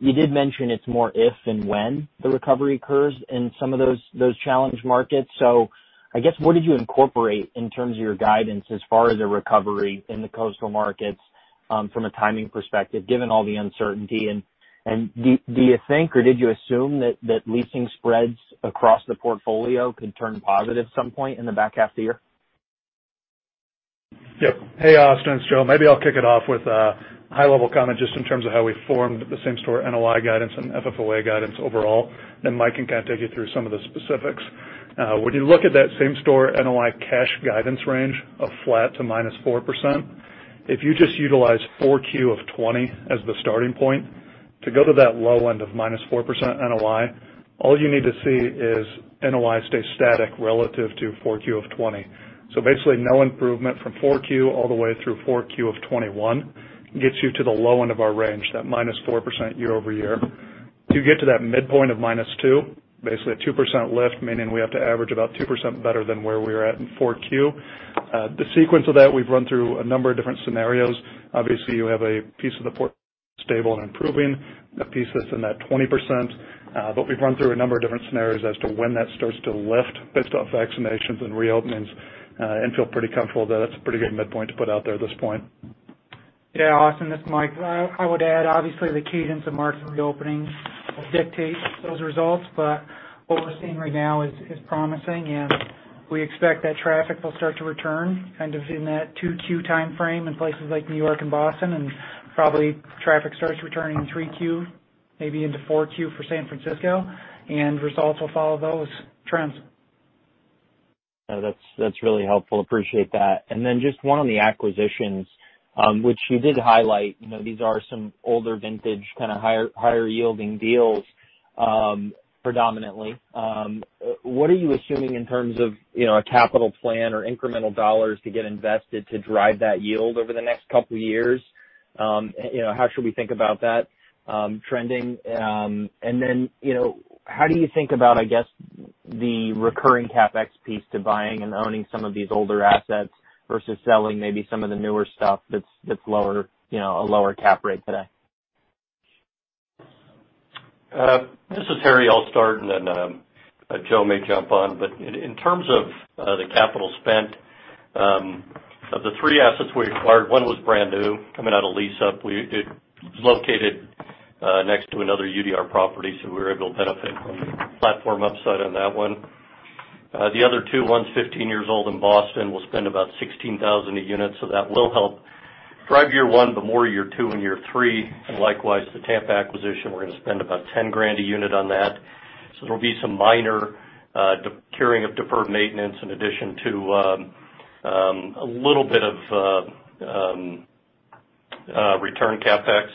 You did mention it's more if than when the recovery occurs in some of those challenged markets. I guess, what did you incorporate in terms of your guidance as far as a recovery in the coastal markets from a timing perspective, given all the uncertainty? And do you think, or did you assume that leasing spreads across the portfolio could turn positive at some point in the back half of the year? Yep. Hey, Austin, it's Joe. Maybe I'll kick it off with a high-level comment just in terms of how we formed the same-store NOI guidance and FFOA guidance overall. Mike can kind of take you through some of the specifics. When you look at that same-store NOI cash guidance range of flat to -4%, if you just utilize Q4 of 2020 as the starting point, to go to that low end of -4% NOI, all you need to see is NOI stay static relative to 4Q of 2020. Basically, no improvement from 4Q all the way through 4Q of 2021 gets you to the low end of our range, that -4% year-over-year. To get to that midpoint of -2%, basically a 2% lift, meaning we have to average about 2% better than where we are at in Q4. The sequence of that, we've run through a number of different scenarios. Obviously, you have a piece of the portfolio stable and improving, a piece that's in that 20%. We've run through a number of different scenarios as to when that starts to lift based off vaccinations and reopenings and feel pretty comfortable that that's a pretty good midpoint to put out there at this point. Yeah, Austin, this is Mike. I would add, obviously, the cadence of March reopening will dictate those results. What we're seeing right now is promising, and we expect that traffic will start to return kind of in that 2Q timeframe in places like New York and Boston, and probably traffic starts returning in 3Q, maybe into 4Q for San Francisco. Results will follow those trends. No, that's really helpful. Appreciate that. Just one on the acquisitions, which you did highlight. These are some older vintage, kind of higher-yielding deals predominantly. What are you assuming in terms of a capital plan or incremental dollars to get invested to drive that yield over the next couple of years? How should we think about that trending? How do you think about, I guess, the recurring CapEx piece to buying and owning some of these older assets versus selling maybe some of the newer stuff that's a lower cap rate today? This is Harry. I'll start, and then Joe may jump on. But in terms of the capital spent, of the three assets we acquired, one was brand new, coming out of lease-up. It was located next to another UDR property, so we were able to benefit from the platform upside on that one. The other two, one's 15 years old in Boston. We'll spend about $16,000 a unit, so that will help drive year one, but more year two and year three. And likewise, the Tampa acquisition, we're going to spend about $10 grand a unit on that. So there'll be some minor curing of deferred maintenance in addition to a little bit of return CapEx.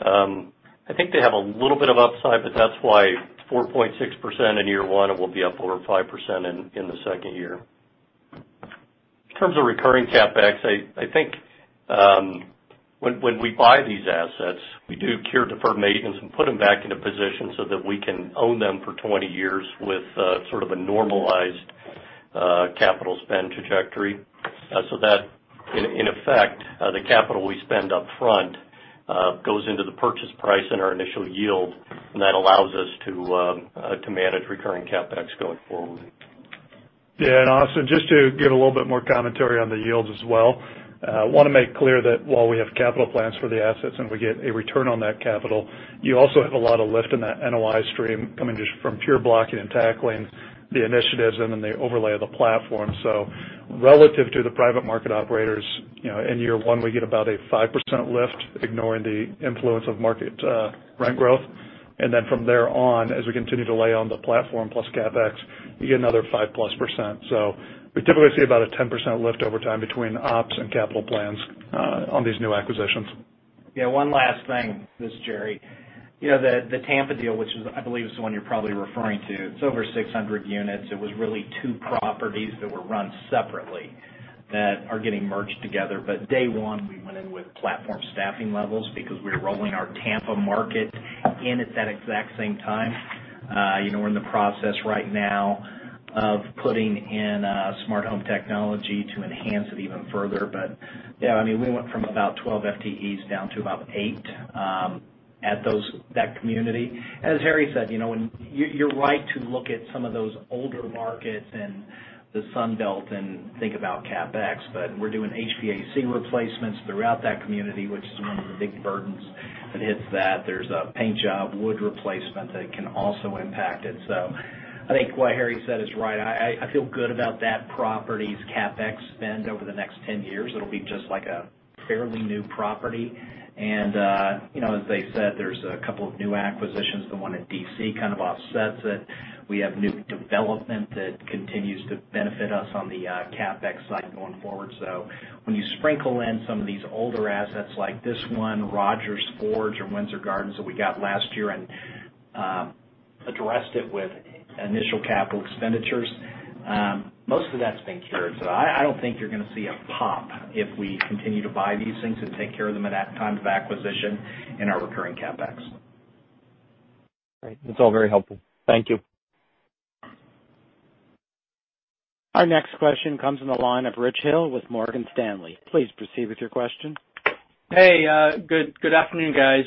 I think they have a little bit of upside, but that's why 4.6% in year one, and we'll be up over 5% in the second year. In terms of recurring CapEx, I think when we buy these assets, we do cure deferred maintenance and put them back into position so that we can own them for 20 years with sort of a normalized capital spend trajectory. That in effect, the capital we spend up front goes into the purchase price and our initial yield, and that allows us to manage recurring CapEx going forward. Yeah. Austin, just to give a little bit more commentary on the yields as well, I want to make clear that while we have capital plans for the assets and we get a return on that capital, you also have a lot of lift in that NOI stream coming just from pure blocking and tackling the initiatives and then the overlay of the platform. Relative to the private market operators, in year one, we get about a 5% lift, ignoring the influence of market rent growth. From there on, as we continue to lay on the platform plus CapEx, you get another 5%+. We typically see about a 10% lift over time between ops and capital plans on these new acquisitions. One last thing. This is Jerry. The Tampa deal, which I believe is the one you're probably referring to, it's over 600 units. It was really two properties that were run separately that are getting merged together. Day one, we went in with platform staffing levels because we were rolling our Tampa market in at that exact same time. We're in the process right now of putting in smart home technology to enhance it even further. Yeah, we went from about 12 FTEs down to about eight at that community. As Harry said, you're right to look at some of those older markets in the Sun Belt and think about CapEx, but we're doing HVAC replacements throughout that community, which is one of the big burdens that hits that. There's a paint job, wood replacement that can also impact it. I think what Harry said is right. I feel good about that property's CapEx spend over the next 10 years. It'll be just like a fairly new property. As they said, there's a couple of new acquisitions. The one in D.C. kind of offsets it. We have new development that continues to benefit us on the CapEx side going forward. When you sprinkle in some of these older assets like this one, Rodgers Forge or Windsor Gardens that we got last year and addressed it with initial capital expenditures, most of that's been cured. I don't think you're going to see a pop if we continue to buy these things and take care of them at that time of acquisition in our recurring CapEx. Great. That's all very helpful. Thank you. Our next question comes on the line of Rich Hill with Morgan Stanley. Please proceed with your question. Hey, good afternoon, guys.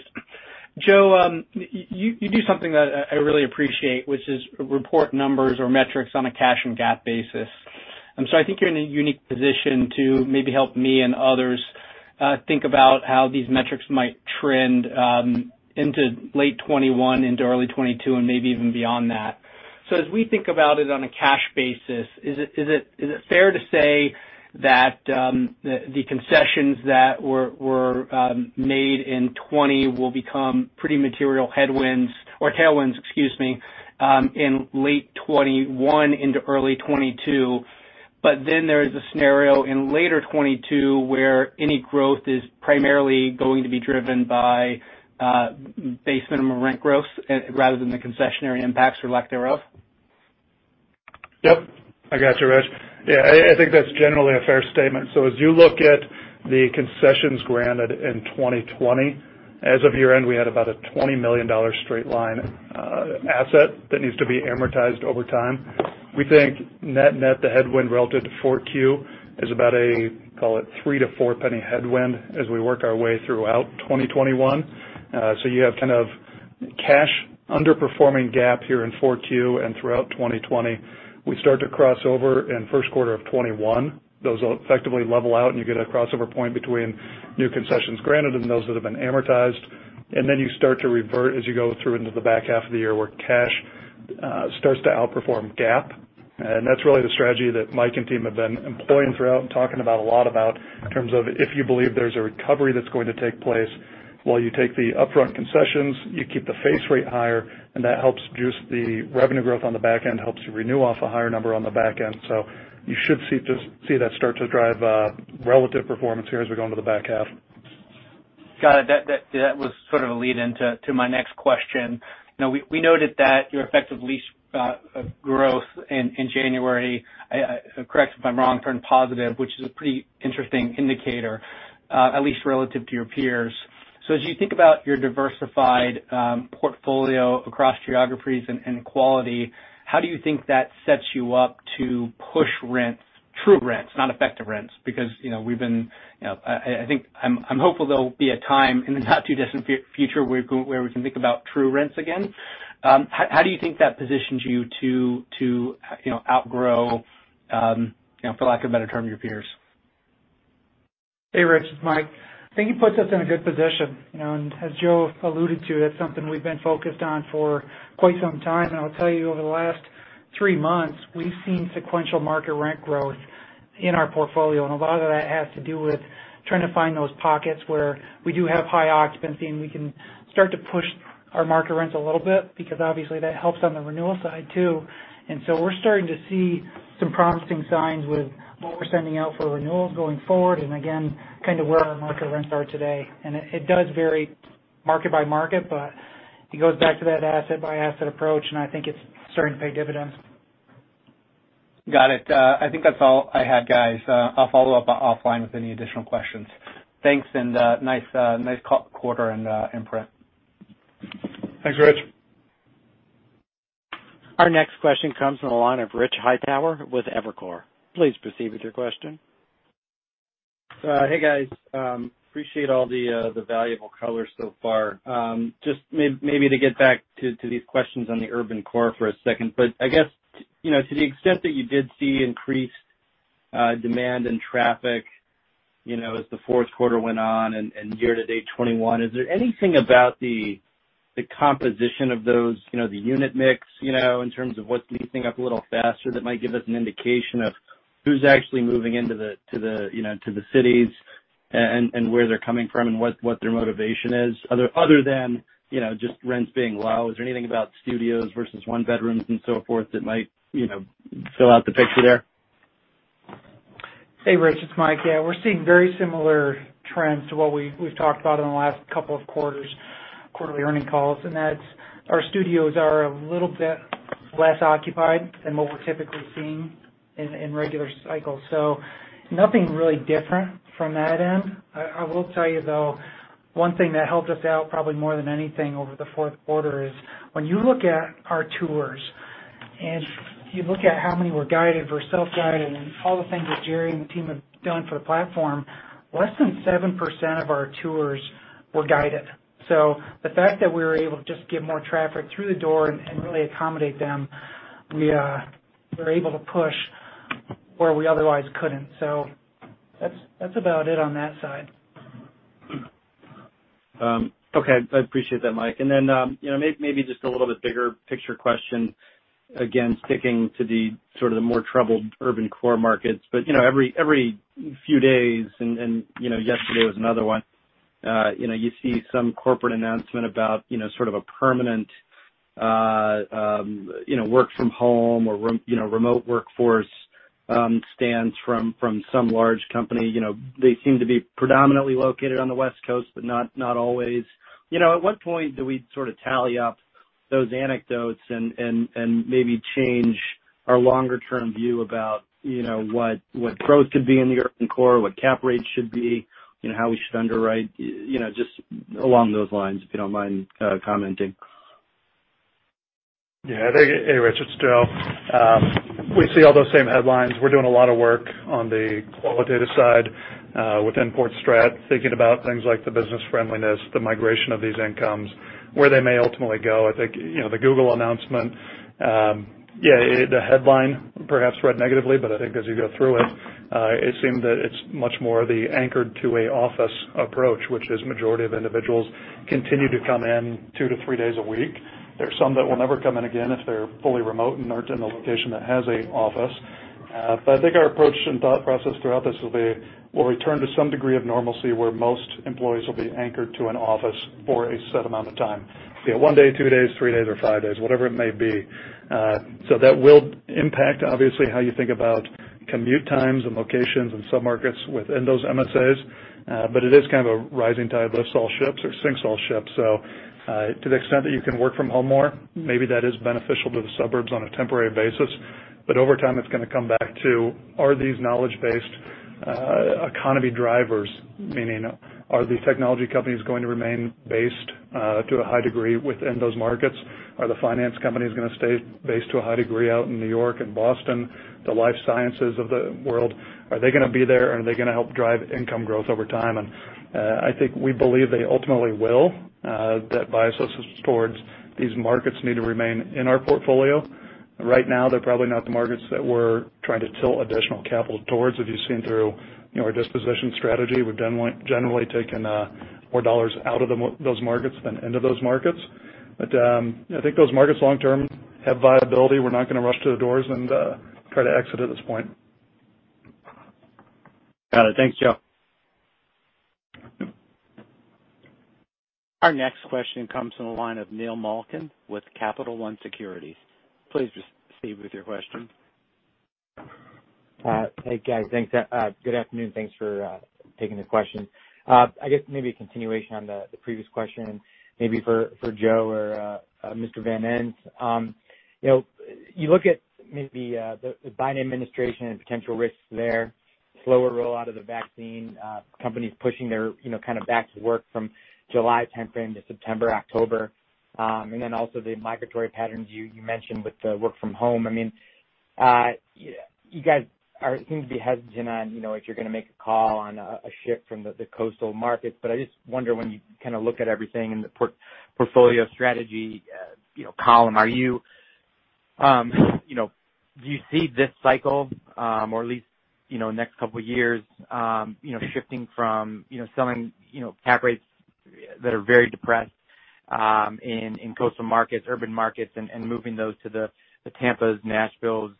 Joe, you do something that I really appreciate, which is report numbers or metrics on a cash and GAAP basis. I think you're in a unique position to maybe help me and others think about how these metrics might trend into late 2021, into early 2022, and maybe even beyond that. As we think about it on a cash basis, is it fair to say that the concessions that were made in 2020 will become pretty material headwinds or tailwinds, excuse me, in late 2021 into early 2022, but then there is a scenario in later 2022 where any growth is primarily going to be driven by base minimum rent growth rather than the concessionary impacts or lack thereof? Yep. I got you, Rich. Yeah, I think that's generally a fair statement. As you look at the concessions granted in 2020, as of year-end, we had about a $20 million straight-line asset that needs to be amortized over time. We think net net, the headwind relative to 4Q is about a, call it, $0.03-$0.04 headwind as we work our way throughout 2021. You have kind of cash underperforming GAAP here in 4Q and throughout 2020. We start to cross over in first quarter of 2021. Those effectively level out, you get a crossover point between new concessions granted and those that have been amortized. Then you start to revert as you go through into the back half of the year where cash starts to outperform GAAP. That's really the strategy that Mike and team have been employing throughout and talking about a lot about in terms of if you believe there's a recovery that's going to take place while you take the upfront concessions, you keep the face rate higher, and that helps reduce the revenue growth on the back end, helps you renew off a higher number on the back end. You should see that start to drive relative performance here as we go into the back half. Got it. That was sort of a lead-in to my next question. We noted that your effective lease growth in January, correct me if I'm wrong, turned positive, which is a pretty interesting indicator, at least relative to your peers. As you think about your diversified portfolio across geographies and quality, how do you think that sets you up to push rents, true rents, not effective rents? I'm hopeful there'll be a time in the not too distant future where we can think about true rents again. How do you think that positions you to outgrow, for lack of a better term, your peers? Hey, Rich, it's Mike. I think it puts us in a good position. As Joe alluded to, that's something we've been focused on for quite some time. I'll tell you, over the last three months, we've seen sequential market rent growth in our portfolio. A lot of that has to do with trying to find those pockets where we do have high occupancy, and we can start to push our market rents a little bit, because obviously, that helps on the renewal side, too. We're starting to see some promising signs with what we're sending out for renewals going forward, and again, kind of where our market rents are today. It does vary market by market, but it goes back to that asset-by-asset approach, and I think it's starting to pay dividends. Got it. I think that's all I had, guys. I'll follow up offline with any additional questions. Thanks, nice quarter and print. Thanks, Rich. Our next question comes on the line of Rich Hightower with Evercore. Please proceed with your question. Hey, guys. Appreciate all the valuable color so far. Just maybe to get back to these questions on the urban core for a second. To the extent that you did see increased demand and traffic as the fourth quarter went on and year-to-date 2021, is there anything about the composition of those, the unit mix, in terms of what's leasing up a little faster that might give us an indication of who's actually moving into the cities and where they're coming from and what their motivation is? Other than just rents being low, is there anything about studios versus one bedrooms and so forth that might fill out the picture there? Hey, Rich, it's Mike. Yeah, we're seeing very similar trends to what we've talked about in the last couple of quarters, quarterly earnings calls. That's our studios are a little bit less occupied than what we're typically seeing in regular cycles. Nothing really different from that end. I will tell you, though, one thing that helped us out probably more than anything over the fourth quarter is when you look at our tours and you look at how many were guided versus self-guided and all the things that Jerry and the team have done for the platform, less than 7% of our tours were guided. The fact that we were able to just get more traffic through the door and really accommodate them, we were able to push where we otherwise couldn't. That's about it on that side. Okay. I appreciate that, Mike. Then maybe just a little bit bigger picture question, again, sticking to the sort of the more troubled urban core markets. Every few days, and yesterday was another one, you see some corporate announcement about sort of a permanent work-from-home or remote workforce stance from some large company. They seem to be predominantly located on the West Coast, but not always. At what point do we sort of tally up those anecdotes and maybe change our longer-term view about what growth could be in the urban core, what cap rates should be, how we should underwrite, just along those lines, if you don't mind commenting. Yeah. Hey, Rich. It's Joe. We see all those same headlines. We're doing a lot of work on the qualitative side within portfolio strategy, thinking about things like the business friendliness, the migration of these incomes, where they may ultimately go. I think, the Google announcement, yeah, the headline perhaps read negatively, but I think as you go through it seemed that it's much more of the anchored-to-a-office approach, which is majority of individuals continue to come in 2-3 days a week. There's some that will never come in again if they're fully remote and aren't in a location that has a office. I think our approach and thought process throughout this will be we'll return to some degree of normalcy where most employees will be anchored to an office for a set amount of time. Be it one day, two days, three days, or five days, whatever it may be. That will impact, obviously, how you think about commute times and locations and submarkets within those MSAs. It is kind of a rising tide lifts all ships or sinks all ships. To the extent that you can work from home more, maybe that is beneficial to the suburbs on a temporary basis, but over time it's going to come back to are these knowledge-based economy drivers, meaning are the technology companies going to remain based to a high degree within those markets? Are the finance companies going to stay based to a high degree out in New York and Boston? The life sciences of the world, are they going to be there? Are they going to help drive income growth over time? I think we believe they ultimately will. That biases us towards these markets need to remain in our portfolio. Right now, they're probably not the markets that we're trying to tilt additional capital towards. If you've seen through our disposition strategy, we've generally taken more dollars out of those markets than into those markets. I think those markets long-term have viability. We're not going to rush to the doors and try to exit at this point. Got it. Thanks, Joe. Our next question comes from the line of Neil Malkin with Capital One Securities. Please proceed with your question. Hey, guys. Good afternoon. Thanks for taking the question. I guess maybe a continuation on the previous question, maybe for Joe or Mr. Van Ens. You look at maybe the Biden administration and potential risks there, slower rollout of the vaccine, companies pushing their kind of back to work from July 10th into September, October. Also the migratory patterns you mentioned with the work from home. You guys seem to be hesitant on if you're going to make a call on a shift from the coastal markets, but I just wonder when you kind of look at everything in the portfolio strategy column, do you see this cycle or at least next couple of years shifting from selling cap rates that are very depressed in coastal markets, urban markets, and moving those to the Tampas, Nashvilles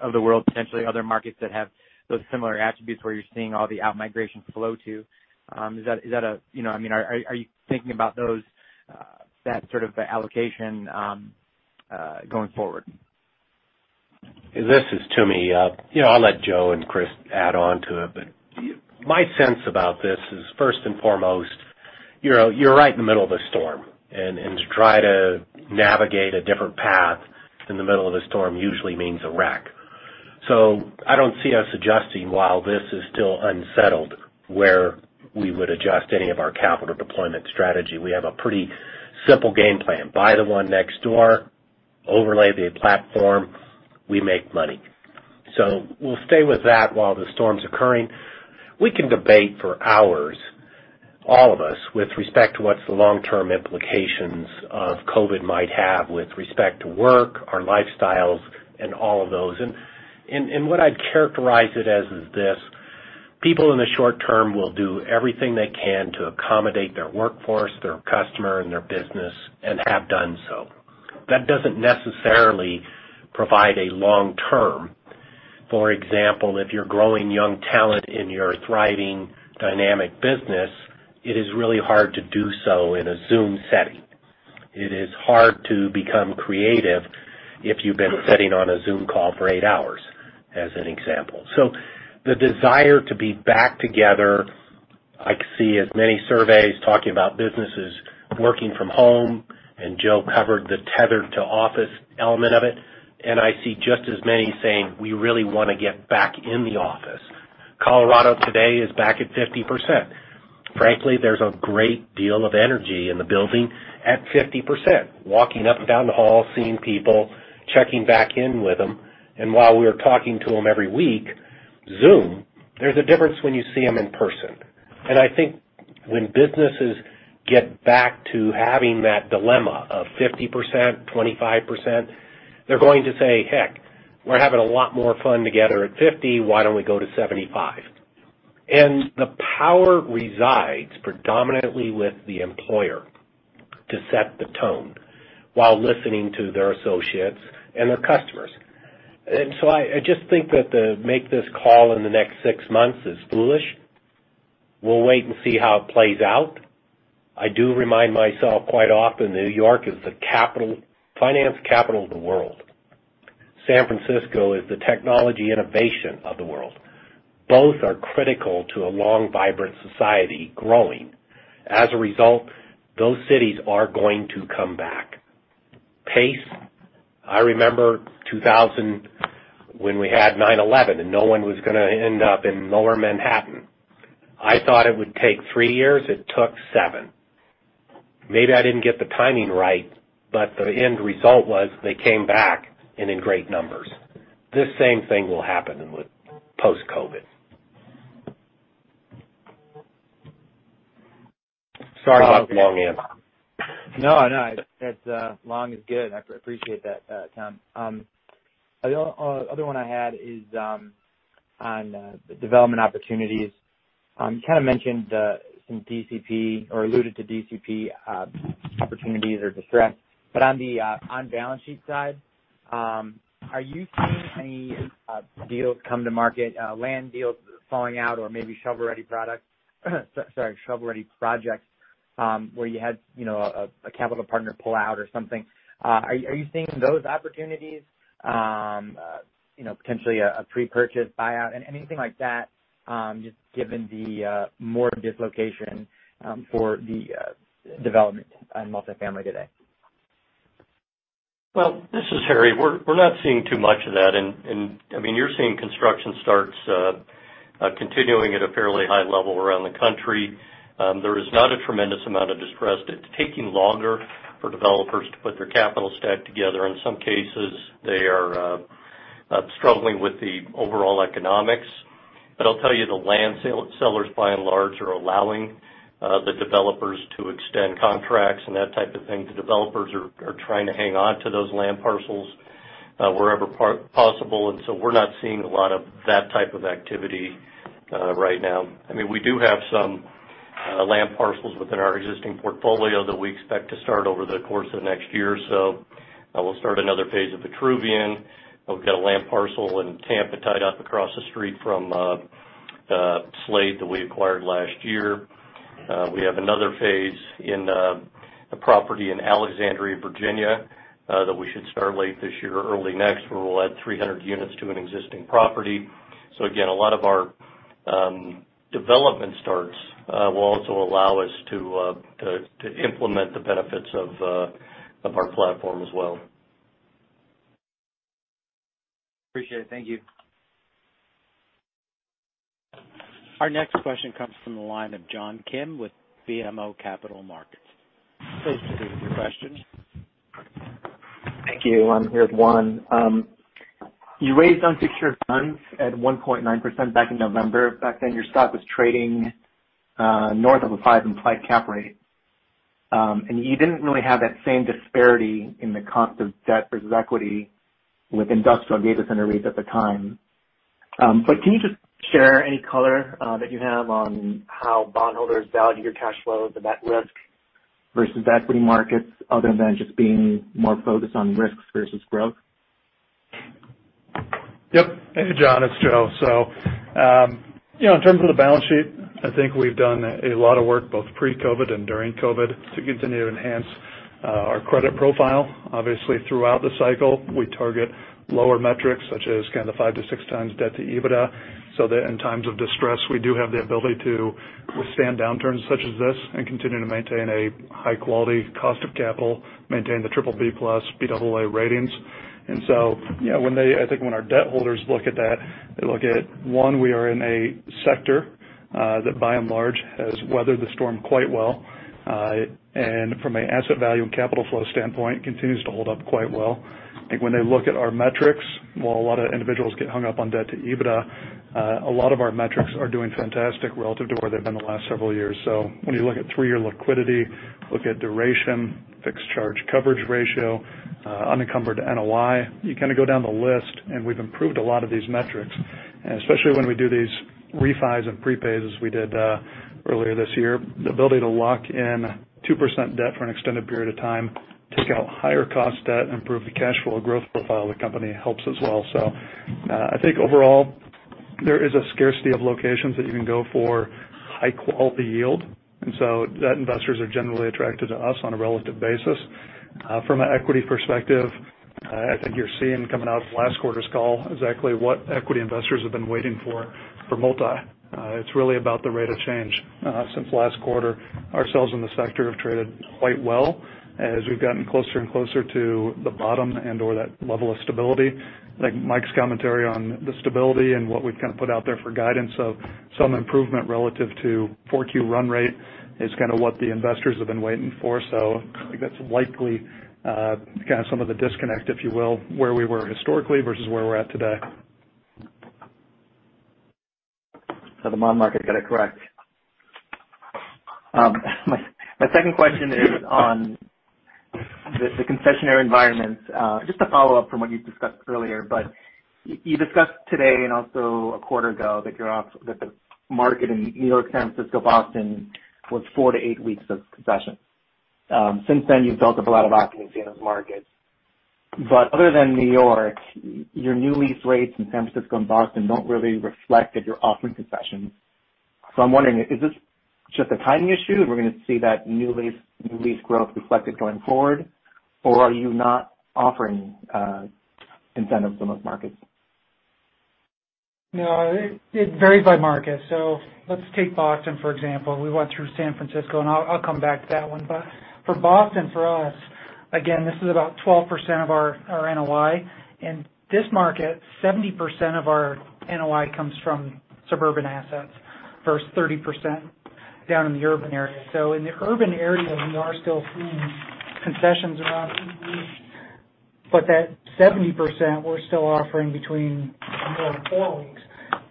of the world, potentially other markets that have those similar attributes where you're seeing all the out-migration flow to? Are you thinking about that sort of allocation going forward? This is Toomey. I'll let Joe and Chris add on to it, but my sense about this is first and foremost, you're right in the middle of the storm, and to try to navigate a different path in the middle of the storm usually means a wreck. I don't see us adjusting while this is still unsettled, where we would adjust any of our capital deployment strategy. We have a pretty simple game plan. Buy the one next door, overlay the platform, we make money. We'll stay with that while the storm's occurring. We can debate for hours, all of us, with respect to what's the long-term implications of COVID might have with respect to work, our lifestyles, and all of those. What I'd characterize it as is this: people in the short-term will do everything they can to accommodate their workforce, their customer, and their business, and have done so. That doesn't necessarily provide a long-term. For example, if you're growing young talent in your thriving, dynamic business, it is really hard to do so in a Zoom setting. It is hard to become creative if you've been sitting on a Zoom call for eight hours, as an example. The desire to be back together, I see as many surveys talking about businesses working from home, and Joe covered the tethered to office element of it, and I see just as many saying, We really want to get back in the office. Colorado today is back at 50%. Frankly, there's a great deal of energy in the building at 50%, walking up and down the hall, seeing people, checking back in with them. While we are talking to them every week, Zoom, there's a difference when you see them in person. I think when businesses get back to having that dilemma of 50%, 25%, they're going to say, Heck, we're having a lot more fun together at 50%. Why don't we go to 75%? The power resides predominantly with the employer to set the tone while listening to their associates and their customers. So I just think that to make this call in the next six months is foolish. We'll wait and see how it plays out. I do remind myself quite often, New York is the finance capital of the world. San Francisco is the technology innovation of the world. Both are critical to a long, vibrant society growing. Those cities are going to come back. Pace, I remember 2000 when we had 9/11, no one was going to end up in Lower Manhattan. I thought it would take three years, it took seven. Maybe I didn't get the timing right, the end result was they came back and in great numbers. This same thing will happen with post-COVID. Sorry about the long answer. No, long is good. I appreciate that, Tom. The other one I had is on the development opportunities. You kind of mentioned some DCP or alluded to DCP, opportunities or distress. On the on-balance sheet side, are you seeing any deals come to market, land deals falling out, or maybe shovel-ready projects, where you had a capital partner pull out or something. Are you seeing those opportunities, potentially a pre-purchase buyout, anything like that, just given the morbid dislocation for the development on multi-family today? This is Harry. We're not seeing too much of that. You're seeing construction starts continuing at a fairly high level around the country. There is not a tremendous amount of distress. It's taking longer for developers to put their capital stack together. In some cases, they are struggling with the overall economics. I'll tell you, the land sellers, by and large, are allowing the developers to extend contracts and that type of thing. The developers are trying to hang on to those land parcels wherever possible, so we're not seeing a lot of that type of activity right now. We do have some land parcels within our existing portfolio that we expect to start over the course of next year or so. We'll start another phase of Vitruvian. We've got a land parcel in Tampa tied up across the street from a Slade that we acquired last year. We have another phase in a property in Alexandria, Virginia, that we should start late this year or early next, where we'll add 300 units to an existing property. Again, a lot of our development starts will also allow us to implement the benefits of our platform as well. Appreciate it. Thank you. Our next question comes from the line of John Kim with BMO Capital Markets. Please proceed with your question. Thank you. I'm here with Juan. You raised unsecured funds at 1.9% back in November. Back then, your stock was trading north of a five implied cap rate. You didn't really have that same disparity in the cost of debt versus equity with industrial data center REITs at the time. Can you just share any color that you have on how bondholders value your cash flows and that risk versus equity markets, other than just being more focused on risks versus growth? Yep. Hey, John, it's Joe. In terms of the balance sheet, I think we've done a lot of work, both pre-COVID and during COVID, to continue to enhance our credit profile. Obviously, throughout the cycle, we target lower metrics, such as kind of the five to 6x debt to EBITDA, so that in times of distress, we do have the ability to withstand downturns such as this and continue to maintain a high-quality cost of capital, maintain the BBB+, Baa1 ratings. I think when our debt holders look at that They look at, one, we are in a sector that by and large has weathered the storm quite well. From an asset value and capital flow standpoint, continues to hold up quite well. I think when they look at our metrics, while a lot of individuals get hung up on debt to EBITDA, a lot of our metrics are doing fantastic relative to where they've been the last several years. When you look at three-year liquidity, look at duration, fixed charge coverage ratio, unencumbered NOI, you kind of go down the list, and we've improved a lot of these metrics. Especially when we do these refis and prepays, as we did earlier this year, the ability to lock in 2% debt for an extended period of time, take out higher cost debt, improve the cash flow growth profile of the company helps as well. I think overall, there is a scarcity of locations that you can go for high-quality yield. That investors are generally attracted to us on a relative basis. From an equity perspective, I think you're seeing coming out of last quarter's call exactly what equity investors have been waiting for from Multi. It's really about the rate of change. Since last quarter, ourselves in the sector have traded quite well as we've gotten closer and closer to the bottom and/or that level of stability. I think Mike's commentary on the stability and what we've kind of put out there for guidance of some improvement relative to 4Q run rate is kind of what the investors have been waiting for. I think that's likely kind of some of the disconnect, if you will, where we were historically versus where we're at today. The bond market got it correct. My second question is on the concessionary environments. Just a follow-up from what you discussed earlier, but you discussed today and also a quarter ago that the market in New York, San Francisco, Boston was four to eight weeks of concessions. Since then, you've built up a lot of occupancy in those markets. Other than New York, your new lease rates in San Francisco and Boston don't really reflect that you're offering concessions. I'm wondering, is this just a timing issue that we're gonna see that new lease growth reflected going forward, or are you not offering incentives in those markets? No, it varies by market. Let's take Boston, for example. We went through San Francisco, and I'll come back to that one. For Boston, for us, again, this is about 12% of our NOI. In this market, 70% of our NOI comes from suburban assets, versus 30% down in the urban area. In the urban area, we are still seeing concessions around eight weeks, but that 70%, we're still offering between four and eight weeks,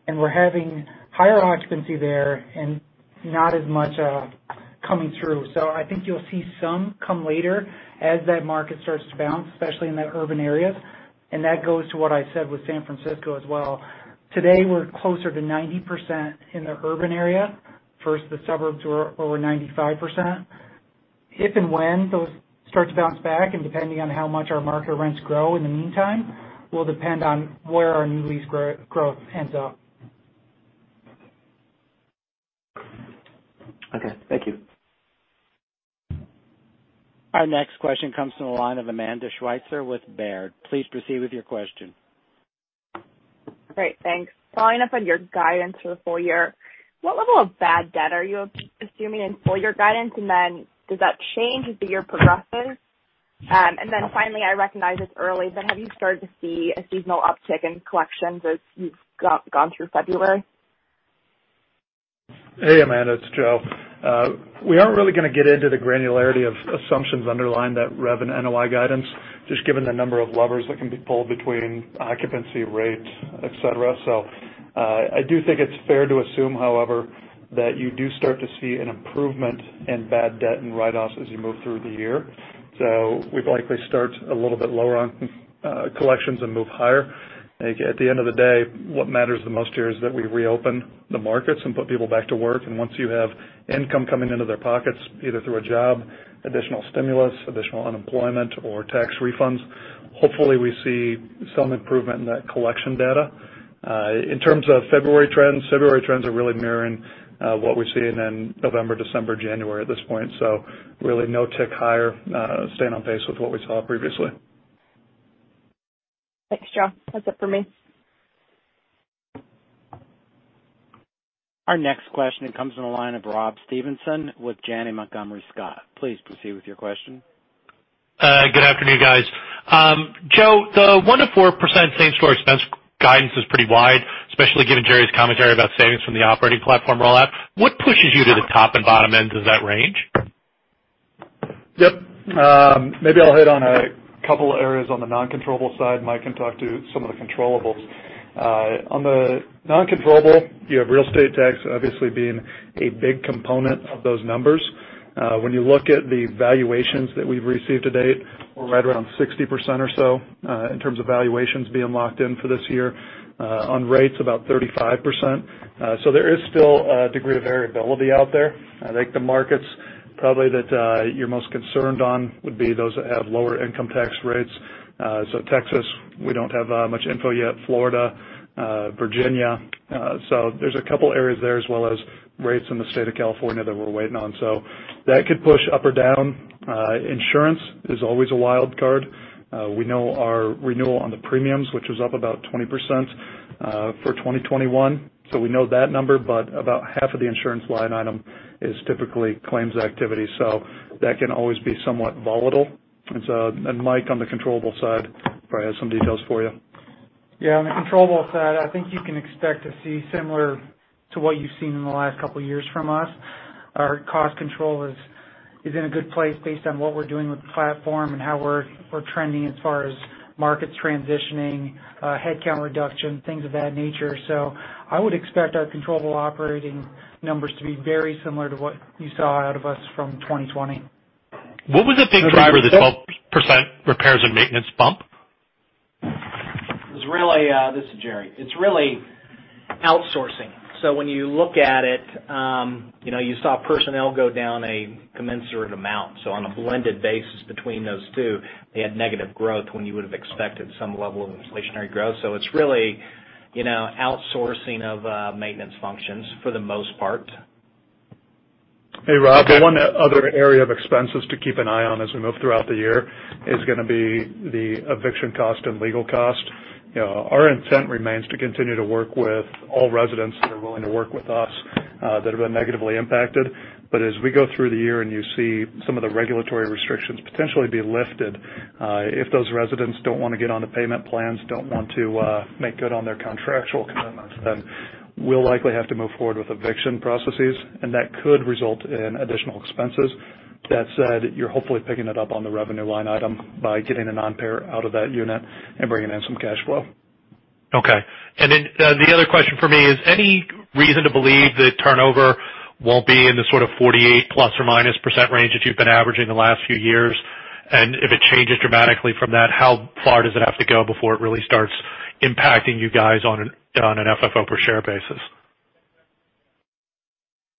and we're having higher occupancy there and not as much coming through. I think you'll see some come later as that market starts to bounce, especially in the urban areas. That goes to what I said with San Francisco as well. Today, we're closer to 90% in the urban area versus the suburbs who are over 95%. If and when those start to bounce back, and depending on how much our market rents grow in the meantime, will depend on where our new lease growth ends up. Okay. Thank you. Our next question comes from the line of Amanda Sweitzer with Baird. Please proceed with your question. Great. Thanks. Following up on your guidance for the full year, what level of bad debt are you assuming in full-year guidance? Does that change as the year progresses? Finally, I recognize it's early, but have you started to see a seasonal uptick in collections as you've gone through February? Hey, Amanda, it's Joe. We aren't really gonna get into the granularity of assumptions underlying that rev and NOI guidance, just given the number of levers that can be pulled between occupancy rates, et cetera. I do think it's fair to assume, however, that you do start to see an improvement in bad debt and write-offs as you move through the year. We'd likely start a little bit lower on collections and move higher. I think at the end of the day, what matters the most here is that we reopen the markets and put people back to work. Once you have income coming into their pockets, either through a job, additional stimulus, additional unemployment, or tax refunds, hopefully we see some improvement in that collection data. In terms of February trends, February trends are really mirroring what we're seeing in November, December, January at this point. Really no tick higher, staying on pace with what we saw previously. Thanks, Joe. That's it for me. Our next question comes from the line of Rob Stevenson with Janney Montgomery Scott. Please proceed with your question. Good afternoon, guys. Joe, the 1%-4% same-store expense guidance is pretty wide, especially given Jerry's commentary about savings from the operating platform rollout. What pushes you to the top and bottom ends of that range? Yep. Maybe I'll hit on a couple areas on the non-controllable side, and Mike can talk to some of the controllables. On the non-controllable, you have real estate tax obviously being a big component of those numbers. When you look at the valuations that we've received to date, we're right around 60% or so in terms of valuations being locked in for this year. On rates, about 35%. There is still a degree of variability out there. I think the markets probably that you're most concerned on would be those that have lower income tax rates. Texas, we don't have much info yet. Florida, Virginia. There's a couple areas there as well as rates in the state of California that we're waiting on. That could push up or down. Insurance is always a wild card. We know our renewal on the premiums, which is up about 20% for 2021, so we know that number, but about half of the insurance line item is typically claims activity. That can always be somewhat volatile. Mike, on the controllable side, probably has some details for you. Yeah, on the controllable side, I think you can expect to see similar to what you've seen in the last couple of years from us. Our cost control is in a good place based on what we're doing with the platform and how we're trending as far as markets transitioning, headcount reduction, things of that nature. I would expect our controllable operating numbers to be very similar to what you saw out of us from 2020. What was the big driver of the 12% repairs and maintenance bump? This is Jerry. It's really outsourcing. When you look at it, you saw personnel go down a commensurate amount. On a blended basis between those two, they had negative growth when you would've expected some level of inflationary growth. It's really outsourcing of maintenance functions for the most part. Hey, Rob. The one other area of expenses to keep an eye on as we move throughout the year is going to be the eviction cost and legal cost. Our intent remains to continue to work with all residents that are willing to work with us, that have been negatively impacted. But as we go through the year and you see some of the regulatory restrictions potentially be lifted, if those residents don't want to get onto payment plans, don't want to make good on their contractual commitments, then we'll likely have to move forward with eviction processes, and that could result in additional expenses. That said, you're hopefully picking it up on the revenue line item by getting a non-payer out of that unit and bringing in some cash flow. Okay. The other question for me is any reason to believe that turnover won't be in the sort of 48 ±% range that you've been averaging the last few years? If it changes dramatically from that, how far does it have to go before it really starts impacting you guys on an FFO per share basis?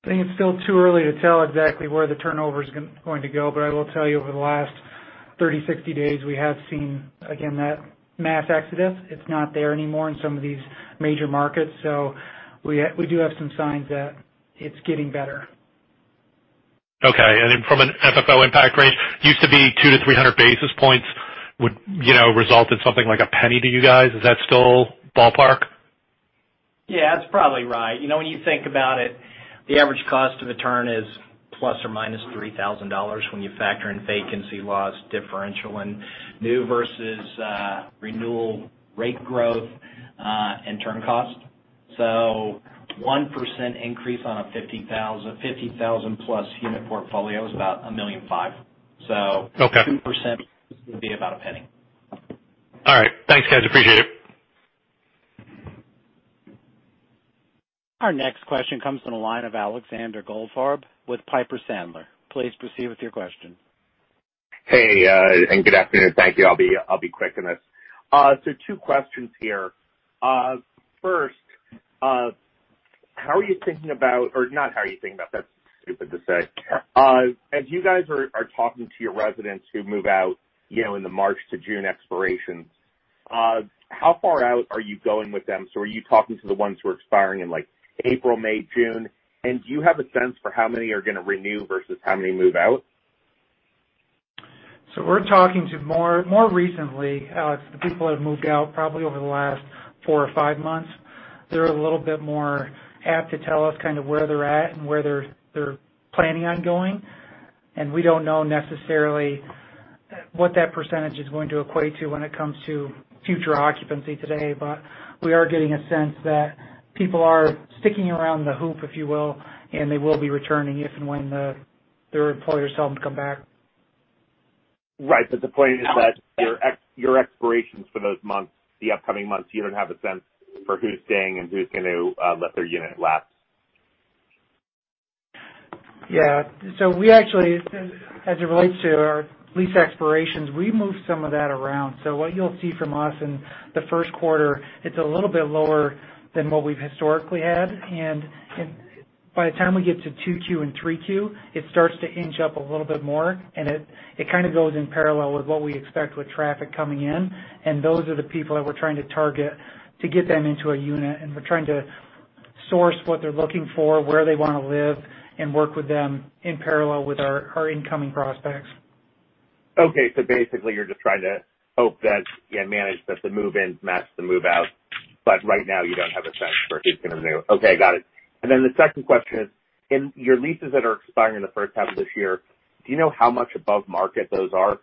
I think it's still too early to tell exactly where the turnover's going to go, I will tell you, over the last 30, 60 days, we have seen, again, that mass exodus. It's not there anymore in some of these major markets. We do have some signs that it's getting better. Okay. Then from an FFO impact range, used to be two to 300 basis points would result in something like $0.01 to you guys. Is that still ballpark? Yeah, that's probably right. When you think about it, the average cost of a turn is ±$3,000 when you factor in vacancy loss differential and new versus renewal rate growth and turn cost. A 1% increase on a 50,000+ unit portfolio is about $1.5 million. Okay. 2% would be about $0.01. All right. Thanks, guys, appreciate it. Our next question comes from the line of Alexander Goldfarb with Piper Sandler. Please proceed with your question. Hey, good afternoon. Thank you. I'll be quick on this. Two questions here. As you guys are talking to your residents who move out in the March to June expirations, how far out are you going with them? Are you talking to the ones who are expiring in like April, May, June? Do you have a sense for how many are gonna renew versus how many move out? We're talking to more recently, Alex, the people that have moved out probably over the last four or five months. They're a little bit more apt to tell us kind of where they're at and where they're planning on going. We don't know necessarily what that percentage is going to equate to when it comes to future occupancy today. We are getting a sense that people are sticking around the hoop, if you will, and they will be returning if and when their employers tell them to come back. Right. The point is that your expirations for those months, the upcoming months, you don't have a sense for who's staying and who's going to let their unit lapse. We actually, as it relates to our lease expirations, we moved some of that around. What you'll see from us in the first quarter, it's a little bit lower than what we've historically had. By the time we get to 2Q and 3Q, it starts to inch up a little bit more, and it kind of goes in parallel with what we expect with traffic coming in. Those are the people that we're trying to target to get them into a unit. We're trying to source what they're looking for, where they want to live, and work with them in parallel with our incoming prospects. Okay. Basically you're just trying to hope that, and manage that the move-ins match the move-outs, but right now you don't have a sense for who's going to renew. Okay, got it. The second question is, in your leases that are expiring in the first half of this year, do you know how much above market those are?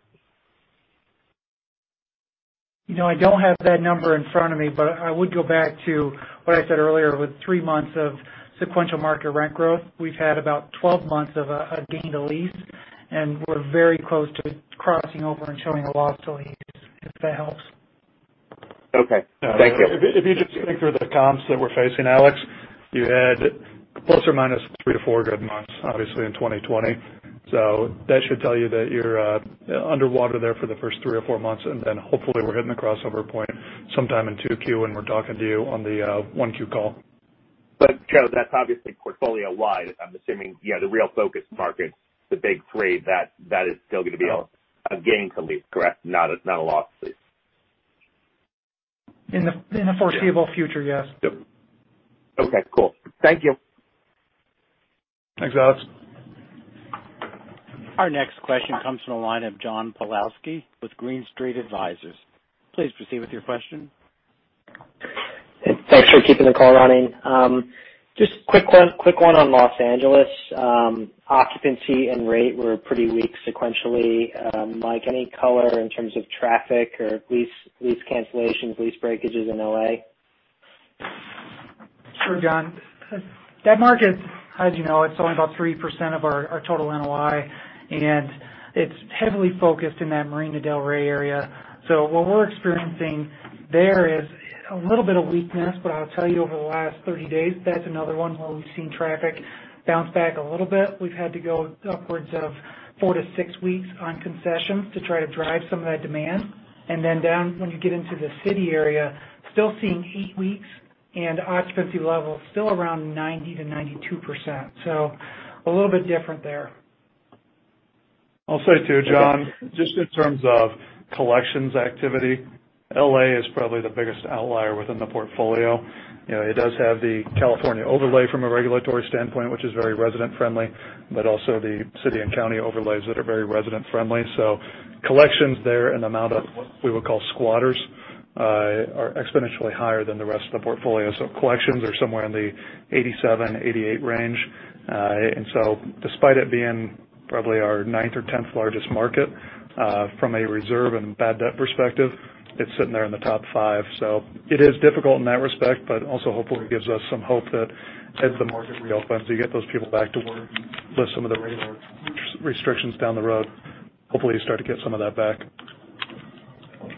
I don't have that number in front of me, but I would go back to what I said earlier with three months of sequential market rent growth. We've had about 12 months of a gain to lease, and we're very close to crossing over and showing a loss to lease, if that helps. Okay. Thank you. If you just think through the comps that we're facing, Alex, you had ±3-4good months, obviously in 2020. That should tell you that you're underwater there for the first three or four months, and then hopefully we're hitting the crossover point sometime in 2Q when we're talking to you on the 1Q call. Joe, that's obviously portfolio-wide. I'm assuming, yeah, the real focus markets, the big three, that is still gonna be a gain to lease, correct? Not a loss lease. In the foreseeable future, yes. Yep. Okay, cool. Thank you. Thanks, Alex. Our next question comes from the line of John Pawlowski with Green Street Advisors. Please proceed with your question. Thanks for keeping the call running. Just quick one on Los Angeles. Occupancy and rate were pretty weak sequentially. Mike, any color in terms of traffic or lease cancellations, lease breakages in L.A.? Sure, John. That market, as you know, it's only about 3% of our total NOI, and it's heavily focused in that Marina del Rey area. What we're experiencing there is a little bit of weakness. I'll tell you, over the last 30 days, that's another one where we've seen traffic bounce back a little bit. We've had to go upwards of 4-6 weeks on concessions to try to drive some of that demand. Down, when you get into the city area, still seeing eight weeks and occupancy levels still around 90%-92%. A little bit different there. I'll say, too, John, just in terms of collections activity, L.A. is probably the biggest outlier within the portfolio. It does have the California overlay from a regulatory standpoint, which is very resident-friendly, but also the city and county overlays that are very resident-friendly. Collections there and amount of what we would call squatters are exponentially higher than the rest of the portfolio. Collections are somewhere in the 87, 88 range. Despite it being probably our ninth or tenth largest market, from a reserve and bad debt perspective, it's sitting there in the top five. It is difficult in that respect, but also hopefully gives us some hope that as the market reopens, we get those people back to work with some of the rent restrictions down the road. Hopefully you start to get some of that back.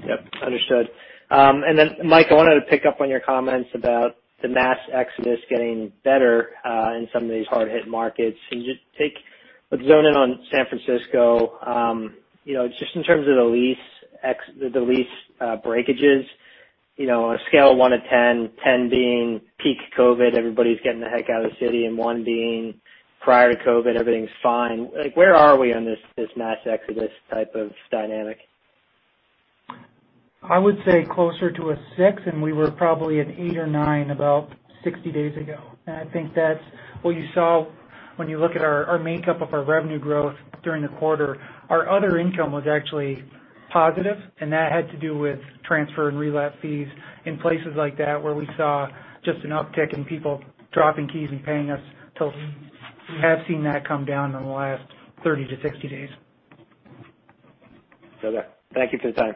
Yep, understood. Mike, I wanted to pick up on your comments about the mass exodus getting better, in some of these hard-hit markets. Can you just let's zone in on San Francisco. Just in terms of the lease breakages, on a scale of 1-10 being peak COVID, everybody's getting the heck out of the city, and one being prior to COVID, everything's fine. Where are we on this mass exodus type of dynamic? I would say closer to a six, and we were probably an eight or nine about 60 days ago. I think that's what you saw when you look at our makeup of our revenue growth during the quarter. Our other income was actually positive, and that had to do with transfer and relapse fees in places like that where we saw just an uptick in people dropping keys and paying us. Till have seen that come down in the last 30-60 days. Okay. Thank you for the time.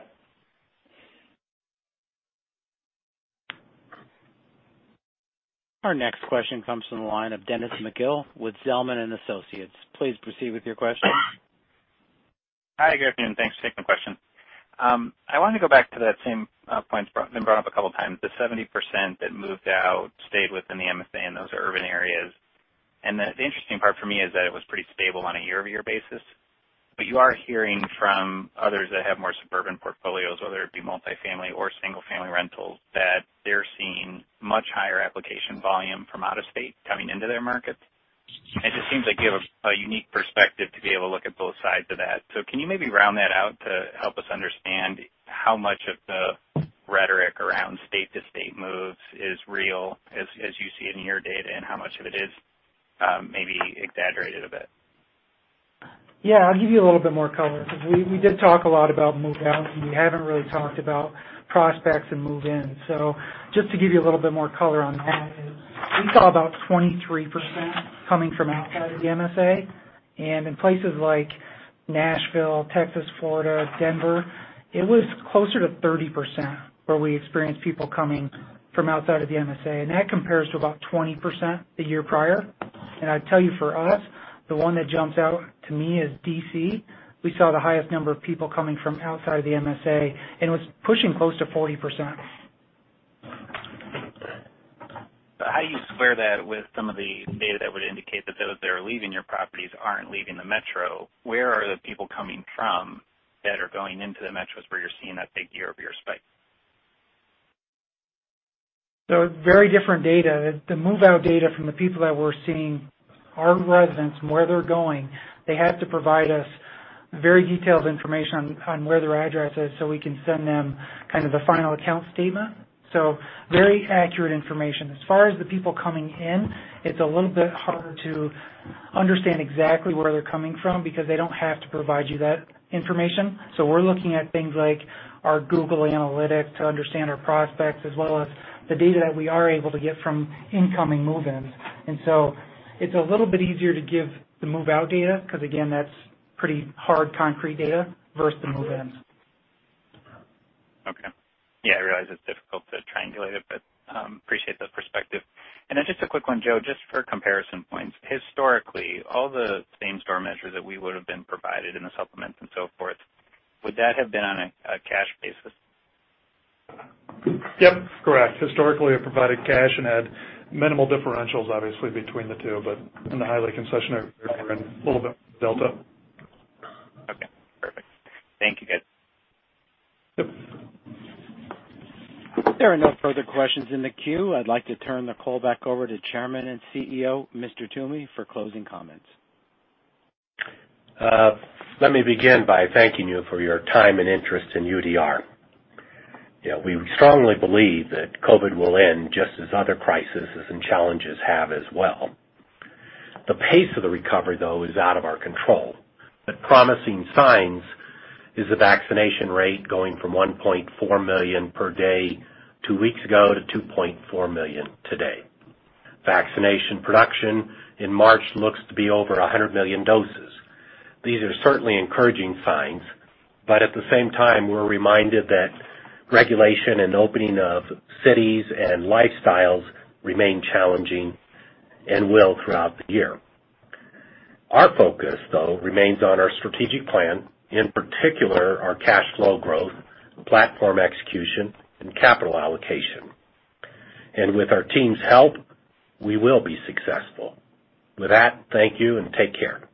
Our next question comes from the line of Dennis McGill with Zelman & Associates. Please proceed with your question. Hi, good afternoon. Thanks for taking the question. I wanted to go back to that same points been brought up a couple of times. The 70% that moved out stayed within the MSA and those are urban areas. The interesting part for me is that it was pretty stable on a year-over-year basis. You are hearing from others that have more suburban portfolios, whether it be multi-family or single-family rentals, that they're seeing much higher application volume from out of state coming into their markets. It just seems like you have a unique perspective to be able to look at both sides of that. Can you maybe round that out to help us understand how much of the rhetoric around state-to-state moves is real as you see it in your data, and how much of it is maybe exaggerated a bit? Yeah, I'll give you a little bit more color because we did talk a lot about move-out, and we haven't really talked about prospects and move-in. Just to give you a little bit more color on that is we saw about 23% coming from outside of the MSA. In places like Nashville, Texas, Florida, Denver, it was closer to 30% where we experienced people coming from outside of the MSA, and that compares to about 20% the year prior. I'd tell you for us, the one that jumps out to me is D.C. We saw the highest number of people coming from outside the MSA, and it was pushing close to 40%. How do you square that with some of the data that would indicate that those that are leaving your properties aren't leaving the metro? Where are the people coming from that are going into the metros where you're seeing that big year-over-year spike? Very different data. The move-out data from the people that we're seeing are residents from where they're going. They have to provide us very detailed information on where their address is so we can send them kind of the final account statement. Very accurate information. As far as the people coming in, it's a little bit harder to understand exactly where they're coming from because they don't have to provide you that information. We're looking at things like our Google Analytics to understand our prospects as well as the data that we are able to get from incoming move-ins. It's a little bit easier to give the move-out data because, again, that's pretty hard concrete data versus the move-ins. Okay. Yeah, I realize it's difficult to triangulate it, but appreciate the perspective. Then just a quick one, Joe, just for comparison points. Historically, all the same store measures that we would've been provided in the supplements and so forth, would that have been on a cash basis? Yep. Correct. Historically, I provided cash and had minimal differentials, obviously, between the two, but in the highlight concession area, we're in a little bit of a delta. Okay, perfect. Thank you, guys. Yep. There are no further questions in the queue. I'd like to turn the call back over to Chairman and CEO, Mr. Toomey, for closing comments. Let me begin by thanking you for your time and interest in UDR. We strongly believe that COVID will end just as other crises and challenges have as well. The pace of the recovery, though, is out of our control. Promising signs is the vaccination rate going from 1.4 million per day two weeks ago to 2.4 million today. Vaccination production in March looks to be over 100 million doses. These are certainly encouraging signs, but at the same time, we're reminded that regulation and opening of cities and lifestyles remain challenging and will throughout the year. Our focus, though, remains on our strategic plan, in particular our cash flow growth, platform execution, and capital allocation. With our team's help, we will be successful. With that, thank you, and take care